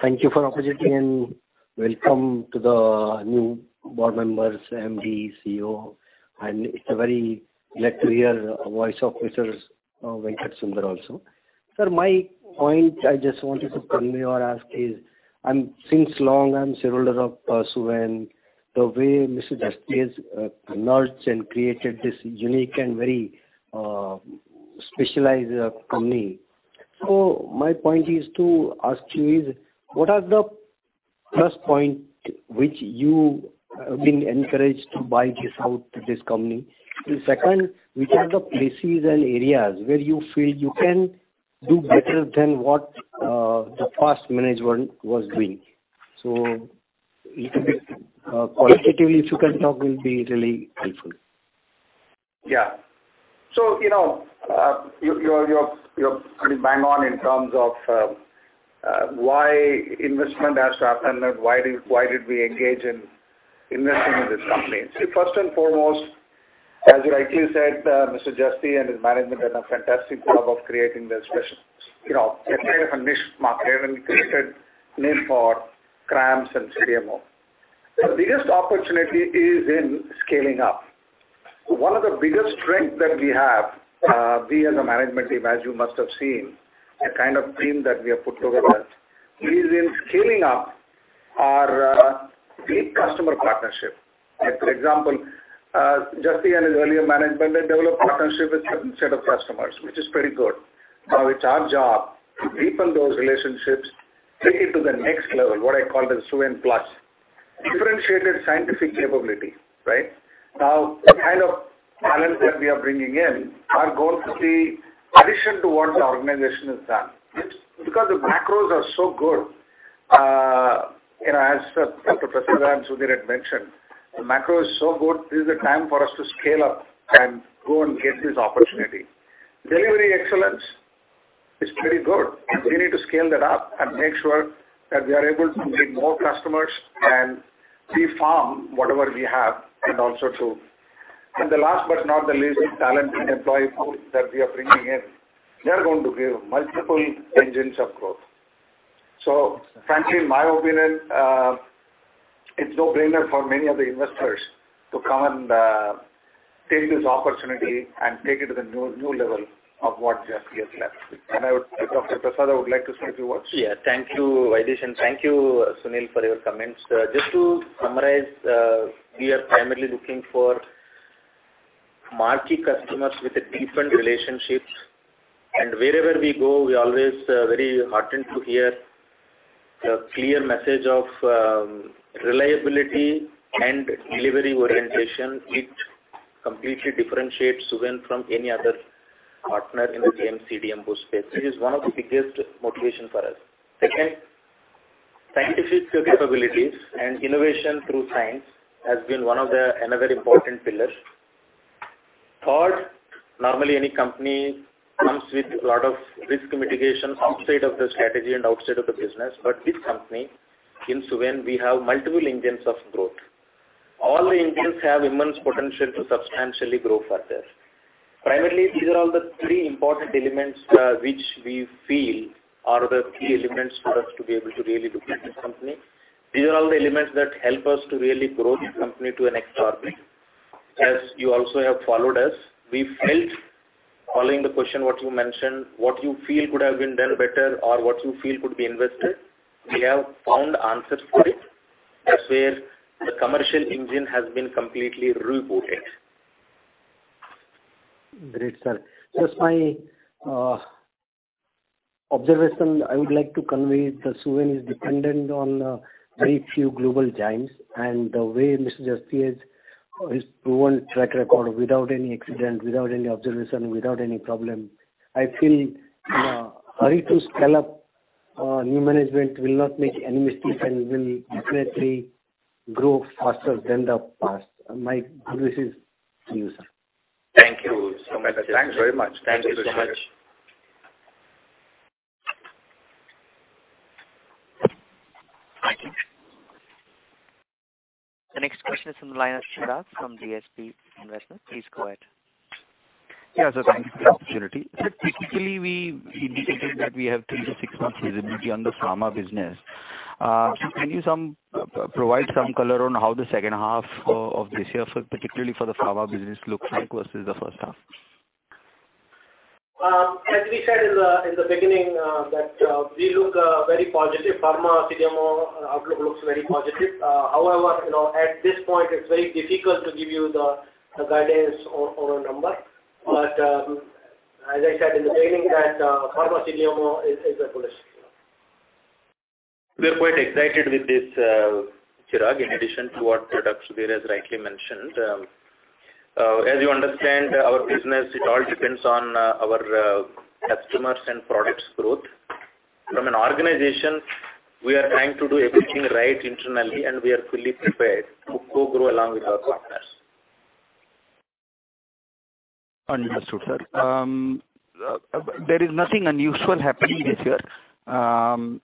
Thank you for the opportunity and welcome to the new board members, MD, CEO, and it's a very glad to hear voice of Mr. Venkatasubramanian also. Sir, my point I just wanted to convey or ask is, I'm since long, I'm shareholder of Suven, the way Mr. Jasti has nurtured and created this unique and very specialized company. So my point is to ask you is, what are the first point which you have been encouraged to buy this out, this company? The second, which are the places and areas where you feel you can do better than what the first management was doing? So little bit qualitatively, if you can talk, will be really helpful. Yeah. So, you know, you're pretty bang on in terms of why investment has to happen and why did we engage in investing in this company? See, first and foremost. As you rightly said, Mr. Jasti and his management done a fantastic job of creating the special, you know, creating a niche market and created need for CRAMS and CDMO. The biggest opportunity is in scaling up. One of the biggest strength that we have, we as a management team, as you must have seen, the kind of team that we have put together, is in scaling up our deep customer partnership. Like, for example, Jasti and his earlier management, they developed partnership with certain set of customers, which is pretty good. Now, it's our job to deepen those relationships, take it to the next level, what I call the Suven plus. Differentiated scientific capability, right? Now, the kind of talent that we are bringing in are going to be addition to what the organization has done. Because the macros are so good, you know, as Dr. Prasad and Sunil had mentioned, the macro is so good, this is the time for us to scale up and go and get this opportunity. Delivery excellence is pretty good, and we need to scale that up and make sure that we are able to bring more customers and refarm whatever we have, and also to... And the last but not the least, talent and employee pool that we are bringing in, they are going to give multiple engines of growth. So frankly, in my opinion, it's no brainer for many of the investors to come and take this opportunity and take it to the new level of what Jasti has left. And I would - Dr. Prasada, I would like to say a few words. Yeah, thank you, Vaidheesh, and thank you, Sunil, for your comments. Just to summarize, we are primarily looking for marquee customers with a different relationships, and wherever we go, we always very heartened to hear the clear message of reliability and delivery orientation. It completely differentiates Suven from any other partner in the same CDMO space. It is one of the biggest motivation for us. Second, scientific capabilities and innovation through science has been one of the another important pillar. Third, normally, any company comes with a lot of risk mitigation outside of the strategy and outside of the business, but this company, in Suven, we have multiple engines of growth. All the engines have immense potential to substantially grow further. Primarily, these are all the three important elements, which we feel are the key elements for us to be able to really look at this company. These are all the elements that help us to really grow the company to a next orbit. As you also have followed us, we felt following the question, what you mentioned, what you feel could have been done better or what you feel could be invested, we have found answers for it. That's where the commercial engine has been completely rebooted. Great, sir. Just my observation, I would like to convey that Suven is dependent on very few global giants, and the way Mr. Jasti has his proven track record without any accident, without any observation, without any problem, I feel hurry to scale up. New management will not make any mistake and will definitely grow faster than the past. My good wishes to you, sir. Thank you so much. Thanks very much. Thank you so much. Thank you. The next question is from the line of Chirag from DSP Investment. Please go ahead. Yes, sir, thank you for the opportunity. Sir, typically, we indicated that we have three to six months visibility on the pharma business. Can you provide some color on how the second half of this year, particularly for the pharma business, looks like versus the first half? As we said in the beginning, we look very positive. Pharma CDMO outlook looks very positive. However, you know, at this point, it's very difficult to give you the guidance or a number. But, as I said in the beginning, pharma CDMO is a bullish. We're quite excited with this, Chirag, in addition to what Dr. Sudhir has rightly mentioned. As you understand our business, it all depends on our customers and products growth. From an organization, we are trying to do everything right internally, and we are fully prepared to co-grow along with our partners. Understood, sir. There is nothing unusual happening this year, you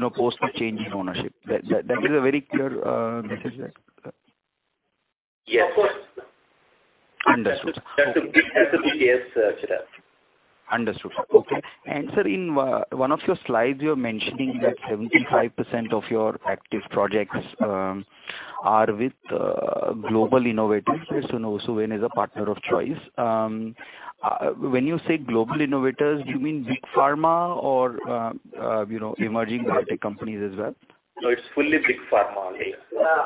know, post the change in ownership. That is a very clear message, right? Yes. Of course. Understood. That's a big yes, Chirag. Understood. Okay. And sir, in one of your slides, you're mentioning that 75% of your active projects are with global innovators, so Suven is a partner of choice. When you say global innovators, do you mean big pharma or, you know, emerging biotech companies as well? No, it's fully big pharma only.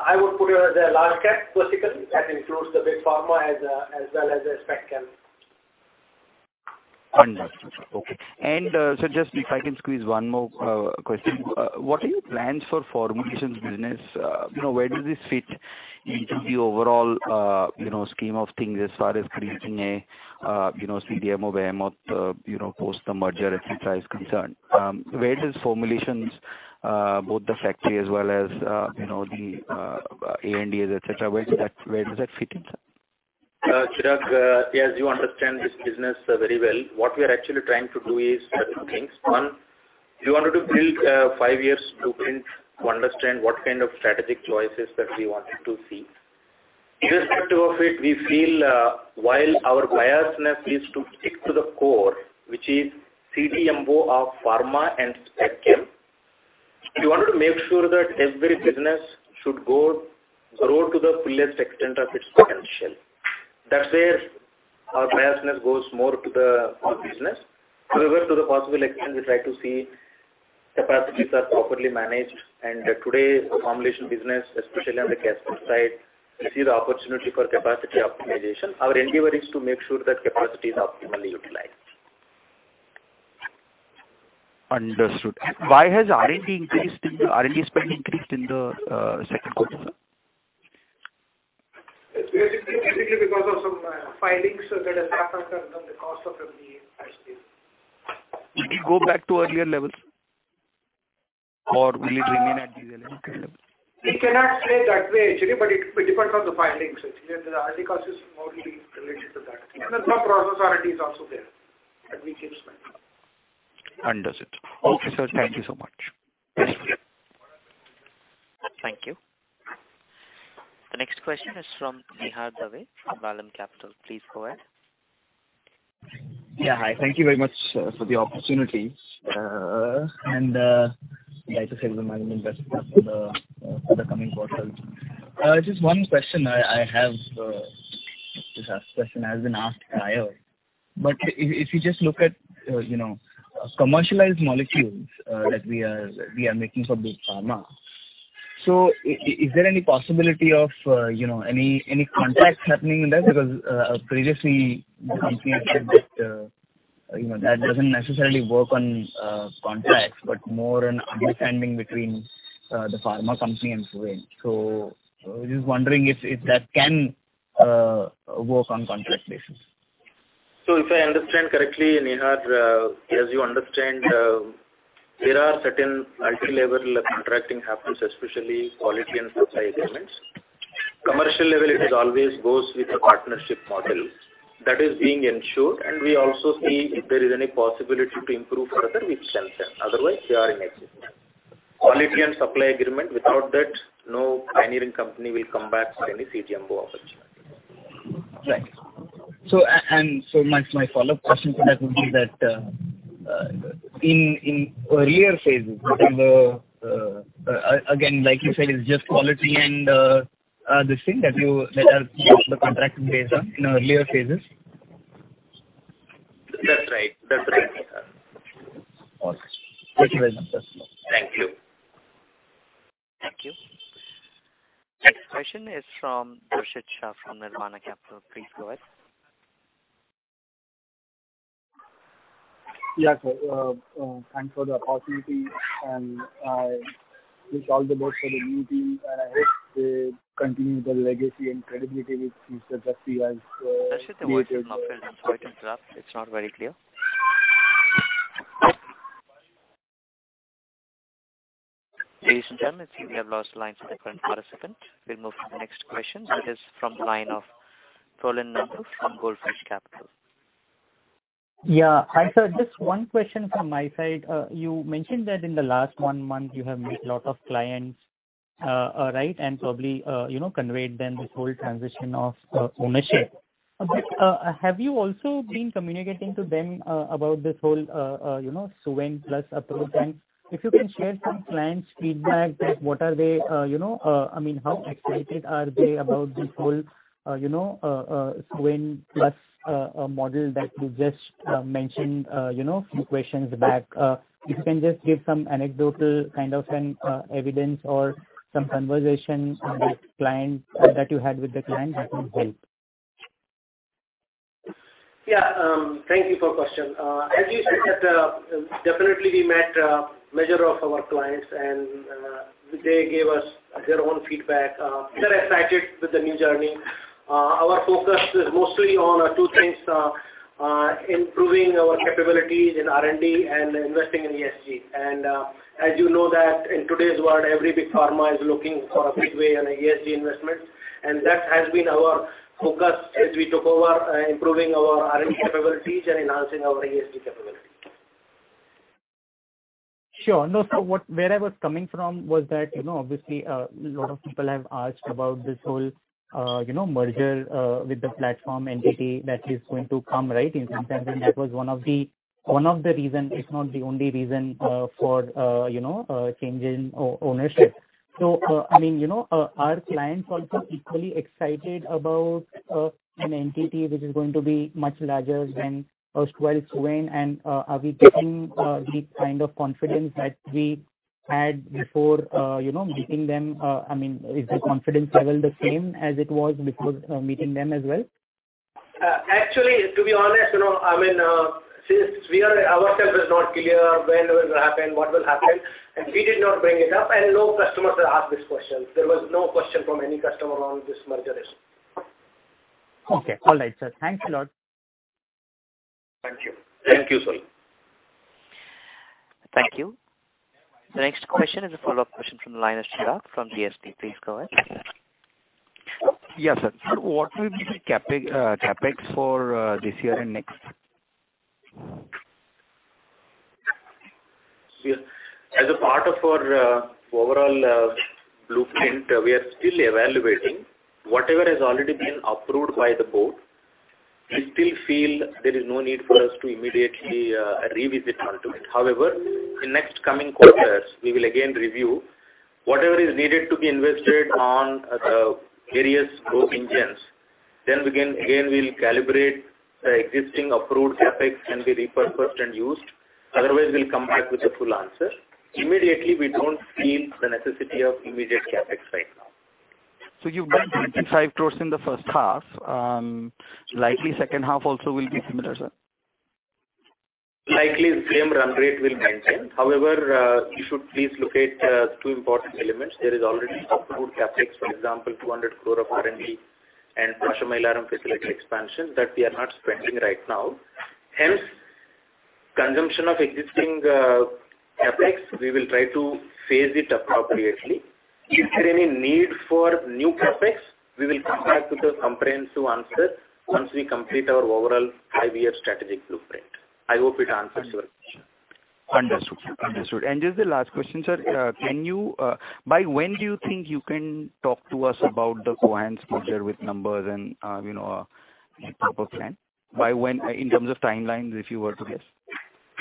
I would put it as a large cap, because that includes the big pharma as well as the SpecChem. Understood. Okay. And, sir, just if I can squeeze one more question. What are your plans for formulations business? You know, where does this fit into the overall, you know, scheme of things as far as creating a, you know, CDMO, CMO, you know, post the merger, et cetera, is concerned? Where does formulations, both the factory as well as, you know, the, ANDAs, et cetera, where does that, where does that fit in, sir? Chirag, yes, you understand this business very well. What we are actually trying to do is two things. One... We wanted to build five-year blueprint, to understand what kind of strategic choices that we wanted to see. Irrespective of it, we feel while our business is to stick to the core, which is CDMO of pharma and SpecChem, we wanted to make sure that every business should go, grow to the fullest extent of its potential. That's where our business goes more to the core business. However, to the possible extent, we try to see capacities are properly managed, and today's formulation business, especially on the customer side, we see the opportunity for capacity optimization. Our endeavor is to make sure that capacity is optimally utilized. Understood. Why has R&D spend increased in the second quarter, sir? It's basically, basically because of some, filings that has happened, and the cost of R&D has been. It will go back to earlier levels or will it remain at this level? We cannot say that way, actually, but it depends on the filings, actually. The R&D cost is more related to that. And then some process R&D is also there, that we keep spending. Understood. Okay, sir, thank you so much. Yes. Thank you. The next question is from Nihar Dave, from Vallum Capital. Please go ahead. Yeah, hi. Thank you very much for the opportunity. Like I said, we might invest for the coming quarter. Just one question I have, this question has been asked earlier, but if you just look at, you know, commercialized molecules that we are making for big pharma, so is there any possibility of, you know, any contracts happening in that? Because, previously the company said that, you know, that doesn't necessarily work on contracts, but more an understanding between the pharma company and Suven. So just wondering if that can work on contract basis. So if I understand correctly, Nihar, as you understand, there are certain multilevel contracting happens, especially quality and supply agreements. Commercial level, it is always goes with a partnership model. That is being ensured, and we also see if there is any possibility to improve further, we strengthen. Otherwise, we are in existence. Quality and supply agreement, without that, no pioneering company will come back for any CDMO opportunity. Right. So and so my follow-up question to that would be that, in earlier phases, within the... again, like you said, it's just quality and, this thing that you, that are the contracting based on in earlier phases? That's right. That's right, Nihar. All right. Thank you very much. Thank you. Thank you. Next question is from Darshit Shah from Nirvana Capital. Please go ahead. Yeah, sir. Thanks for the opportunity, and wish all the best for the new team, and I hope they continue the legacy and credibility which Mr. Jasti has. Darshit, your voice is not very clear to interrupt. It's not very clear. Ladies and gentlemen, we have lost line for the client for a second. We'll move to the next question. It is from the line of Rolan Nand from Goldfish Capital. Yeah. Hi, sir, just one question from my side. You mentioned that in the last 1 month, you have met a lot of clients, right? And probably, you know, conveyed them this whole transition of ownership. But, have you also been communicating to them about this whole, you know, Suven plus Cohance? If you can share some clients' feedback, like, what are they, you know, I mean, how excited are they about this whole, you know, Suven plus model that you just mentioned, you know, few questions back. If you can just give some anecdotal kind of an evidence or some conversation with clients that you had with the clients, that will help. Yeah, thank you for the question. As you said, that definitely we met with most of our clients, and they gave us their own feedback. They're excited with the new journey. Our focus is mostly on two things: improving our capabilities in R&D and investing in ESG. As you know that in today's world, every big pharma is looking for a big way on ESG investment, and that has been our focus since we took over, improving our R&D capabilities and enhancing our ESG capabilities. Sure. No, so where I was coming from was that, you know, obviously, a lot of people have asked about this whole, you know, merger with the platform entity that is going to come, right? In some sense, that was one of the, one of the reason, if not the only reason, for, you know, change in ownership. So, I mean, you know, are clients also equally excited about an entity which is going to be much larger than, well, Suven, and are we getting the kind of confidence that we had before, you know, meeting them? I mean, is the confidence level the same as it was before meeting them as well? Actually, to be honest, you know, I mean, since we are, ourself is not clear when will happen, what will happen, and we did not bring it up, and no customers asked this question. There was no question from any customer on this merger issue. Okay. All right, sir. Thank you a lot. Thank you. Thank you, sir. Thank you. The next question is a follow-up question from the line of Chirag from DSP. Please go ahead.... Yes, sir. Sir, what will be the CapEx for this year and next? As a part of our overall blueprint, we are still evaluating. Whatever has already been approved by the board, we still feel there is no need for us to immediately revisit onto it. However, in next coming quarters, we will again review whatever is needed to be invested on the various growth engines. Then we can, again, we'll calibrate existing approved CapEx can be repurposed and used. Otherwise, we'll come back with a full answer. Immediately, we don't feel the necessity of immediate CapEx right now. You've done 25 crore in the first half, likely second half also will be similar, sir? Likely, the same run rate will maintain. However, you should please locate two important elements. There is already approved CapEx, for example, 200 crore of R&D and Ashwamedh facility expansion that we are not spending right now. Hence, consumption of existing CapEx, we will try to phase It appropriately. If there any need for new CapEx, we will come back with a comprehensive answer once we complete our overall five-year strategic blueprint. I hope it answers your question. Understood. Understood. And just the last question, sir. Can you... By when do you think you can talk to us about the Cohance pro forma with numbers and, you know, a proper plan? By when, in terms of timelines, if you were to guess?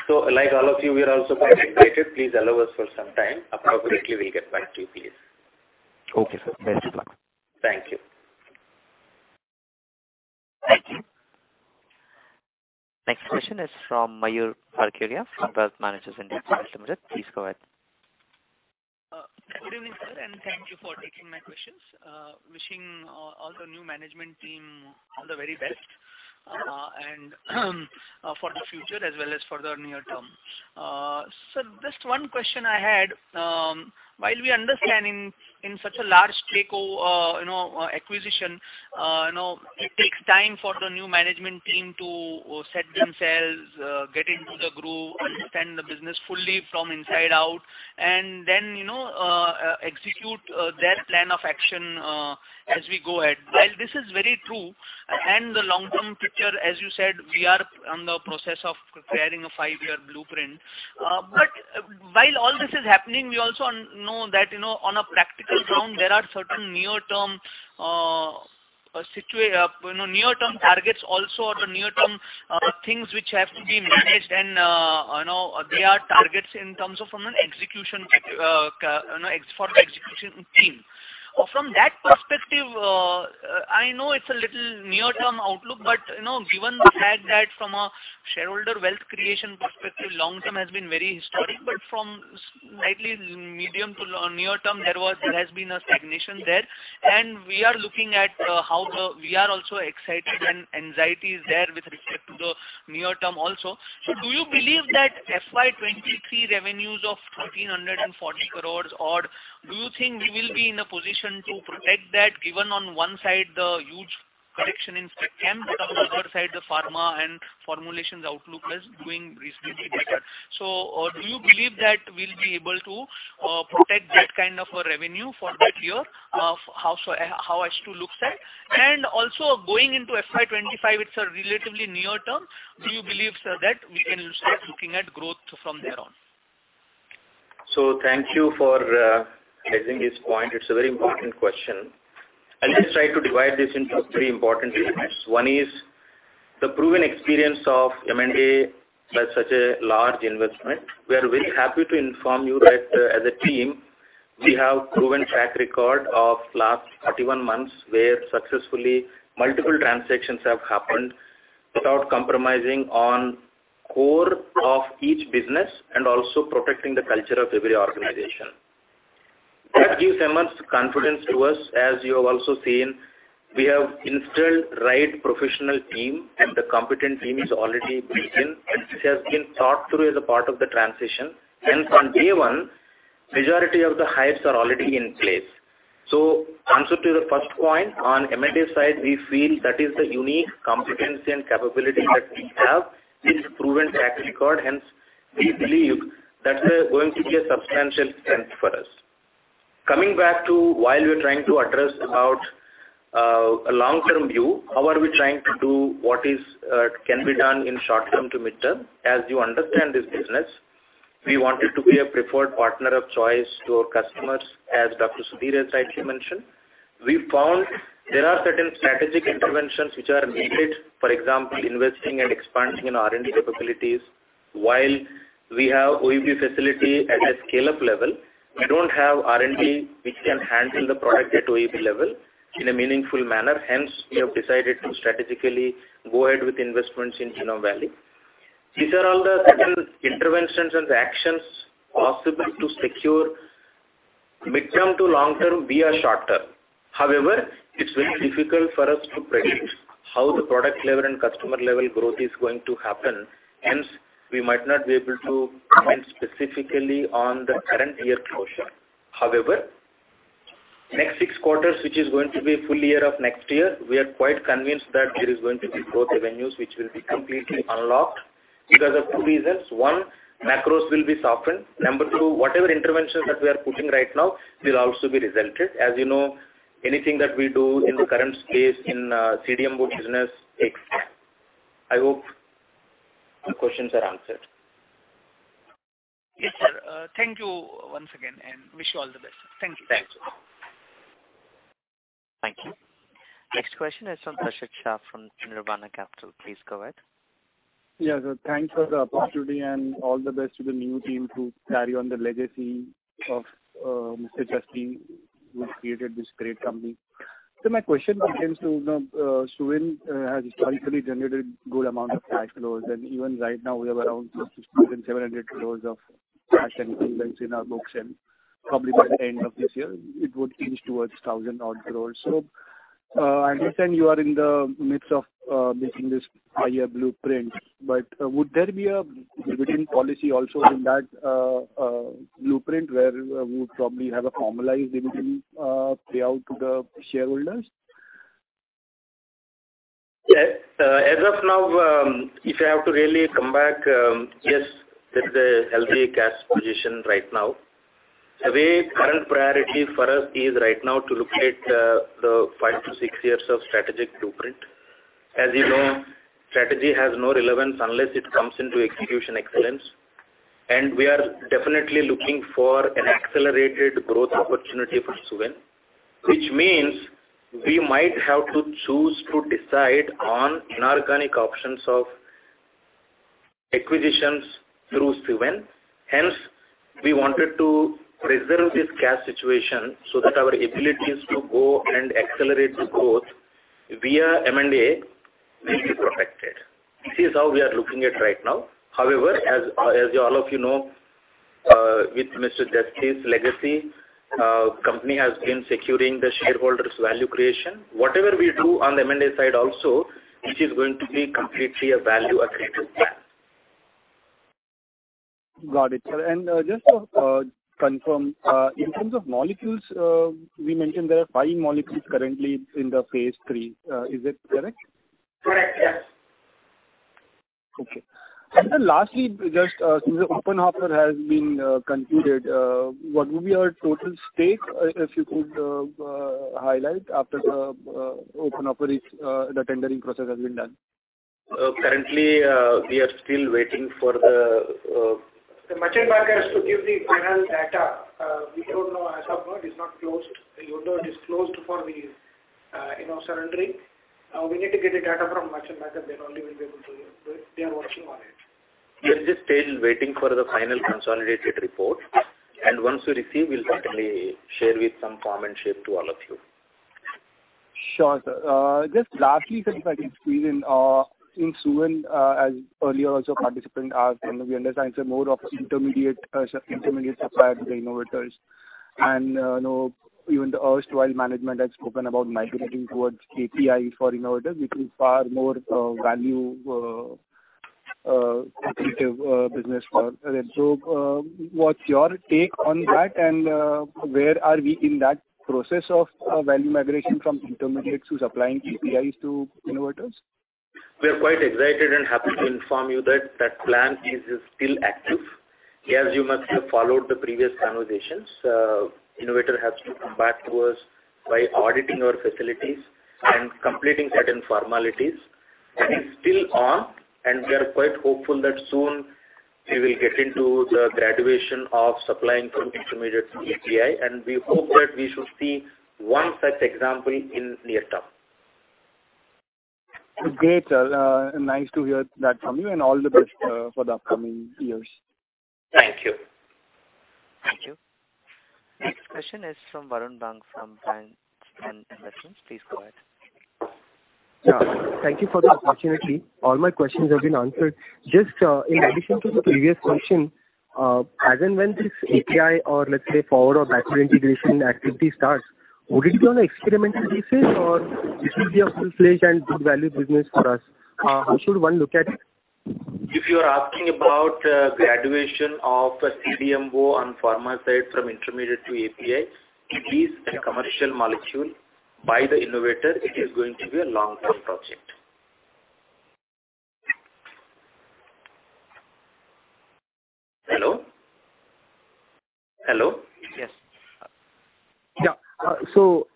So like all of you, we are also quite excited. Please allow us for some time. Appropriately, we'll get back to you, please. Okay, sir. Best of luck. Thank you. Thank you. Next question is from Mayur Parkeria, from Wealth Managers India. Please go ahead. Good evening, sir, and thank you for taking my questions. Wishing all the new management team all the very best, and for the future as well as for the near term. So just one question I had, while we understand in such a large takeover, you know, acquisition, you know, it takes time for the new management team to set themselves, get into the groove, understand the business fully from inside out, and then, you know, execute their plan of action, as we go ahead. While this is very true, and the long-term picture, as you said, we are in the process of preparing a five-year blueprint. While all this is happening, we also know that, you know, on a practical ground, there are certain near-term, you know, near-term targets also, or the near-term things which have to be managed, and, you know, they are targets in terms of from an execution, you know, for the execution team. From that perspective, I know it's a little near-term outlook, but, you know, given the fact that from a shareholder wealth creation perspective, long-term has been very historic, but from slightly medium to near term, there was, there has been a stagnation there. We are looking at how the... We are also excited and anxiety is there with respect to the near term also. So do you believe that FY 2023 revenues of 1,340 crore, or do you think we will be in a position to protect that, given on one side, the huge correction in SpecChem, but on the other side, the pharma and formulations outlook is doing reasonably better. So, do you believe that we'll be able to protect that kind of a revenue for that year? How so, how H2 looks at? And also going into FY 2025, it's a relatively near term. Do you believe, sir, that we can start looking at growth from there on? So thank you for raising this point. It's a very important question. I'll just try to divide this into three important elements. One is the proven experience of M&A by such a large investment. We are very happy to inform you that, as a team, we have proven track record of last 31 months, where successfully multiple transactions have happened without compromising on core of each business and also protecting the culture of every organization. That gives immense confidence to us. As you have also seen, we have installed right professional team, and the competent team is already built in, and this has been thought through as a part of the transition. Hence, on day one, majority of the hires are already in place. So answer to the first point, on M&A side, we feel that is the unique competency and capability that we have. It's a proven track record, hence, we believe that's going to be a substantial strength for us. Coming back to why we are trying to address about a long-term view, how are we trying to do what can be done in short term to mid-term? As you understand this business, we want it to be a preferred partner of choice to our customers, as Dr. Sudhir actually mentioned. We found there are certain strategic interventions which are needed, for example, investing and expanding in R&D capabilities. While we have OEB facility at a scale-up level, we don't have R&D, which can handle the product at OEB level in a meaningful manner. Hence, we have decided to strategically go ahead with investments in Genome Valley. These are all the certain interventions and actions possible to secure mid-term to long term, be a short term. However, it's very difficult for us to predict how the product level and customer level growth is going to happen. Hence, we might not be able to comment specifically on the current year quotient. However, next six quarters, which is going to be a full year of next year, we are quite convinced that there is going to be both revenues, which will be completely unlocked. Because of two reasons: one, macros will be softened. Number two, whatever interventions that we are putting right now will also be resulted. As you know, anything that we do in the current space, in CDMO business. I hope your questions are answered. Yes, sir. Thank you once again, and wish you all the best. Thank you. Thanks. Thank you. Next question is from Darshit Shah, from Nirvana Capital. Please go ahead. Yeah, sir, thanks for the opportunity and all the best to the new team to carry on the legacy of Mr. Jasti, who created this great company. So my question comes to, you know, Suven has historically generated good amount of cash flows, and even right now, we have around 600 to 700 crore of cash and equivalents in our books, and probably by the end of this year, it would inch towards 1,000 odd crore. So, I understand you are in the midst of making this five-year blueprint, but, would there be a dividend policy also in that blueprint, where we would probably have a formalized dividend payout to the shareholders? Yes. As of now, if I have to really come back, yes, there is a healthy cash position right now. The way current priority for us is right now to look at the five to six years of strategic blueprint. As you know, strategy has no relevance unless it comes into execution excellence, and we are definitely looking for an accelerated growth opportunity for Suven, which means we might have to choose to decide on inorganic options of acquisitions through Suven. Hence, we wanted to preserve this cash situation so that our abilities to go and accelerate the growth via M&A will be protected. This is how we are looking at right now. However, all of you know, with Mr. Jasti's legacy, company has been securing the shareholders' value creation. Whatever we do on the M&A side also, it is going to be completely a value accretive. Got it. And, just to, confirm, in terms of molecules, we mentioned there are five moleculesphase III. is it correct? Correct, yes. Okay. And then lastly, just, since the open offer has been concluded, what would be our total stake, if you could highlight after the open offer is the tendering process has been done? Currently, we are still waiting for the... The merchant banker has to give the final data. We don't know as of now, it is not closed. Even though it is closed for the, you know, surrendering, we need to get the data from merchant banker, then only we'll be able to... We are working on it. We are just still waiting for the final consolidated report, and once we receive, we'll certainly share with some comment shape to all of you. Sure, sir. Just lastly, since I think we in in Suven, as earlier, also participant asked, and we understand it's a more of intermediate, intermediate supplier to the innovators. And, you know, even the erstwhile management has spoken about migrating towards API for innovators, which is far more value accretive business for Suven. What's your take on that, and, where are we in that process of value migration from intermediates who's supplying APIs to innovators? We are quite excited and happy to inform you that that plan is, is still active. As you must have followed the previous conversations, innovator has to come back to us by auditing our facilities and completing certain formalities. That is still on, and we are quite hopeful that soon we will get into the graduation of supplying from intermediate to API, and we hope that we should see one such example in near term. Great, sir. Nice to hear that from you, and all the best, for the upcoming years. Thank you. Thank you. Next question is from Varun Bang, from Bryanston Investments. Please go ahead. Yeah, thank you for the opportunity. All my questions have been answered. Just, in addition to the previous question, as and when this API, or let's say, forward or backward integration activity starts, would it be on an experimental basis, or it will be a full-fledged and good value business for us? How should one look at it? If you are asking about graduation of a CDMO on pharma side from intermediate to API, it is a commercial molecule. By the innovator, it is going to be a long-term project. Hello? Hello. Yes. Yeah, so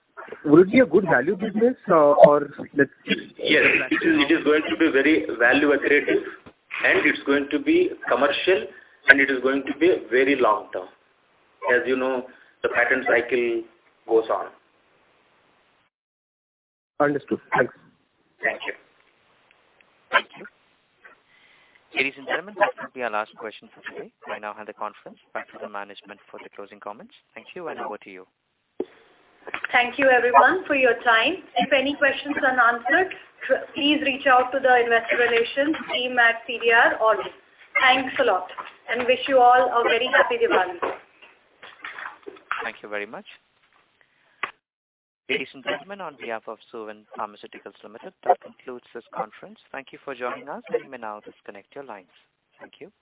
would it be a good value business, or let's just- Yes, it is, it is going to be very value accretive, and it's going to be commercial, and it is going to be very long term. As you know, the pattern cycle goes on. Understood. Thanks. Thank you. Thank you. Ladies and gentlemen, that will be our last question for today. We now have the conference back to the management for the closing comments. Thank you, and over to you. Thank you everyone for your time. If any questions are unanswered, please reach out to the investor relations team at Cohance IR. Thanks a lot, and wish you all a very happy Diwali! Thank you very much. Ladies and gentlemen, on behalf of Suven Pharmaceuticals Limited, that concludes this conference. Thank you for joining us. You may now disconnect your lines. Thank you.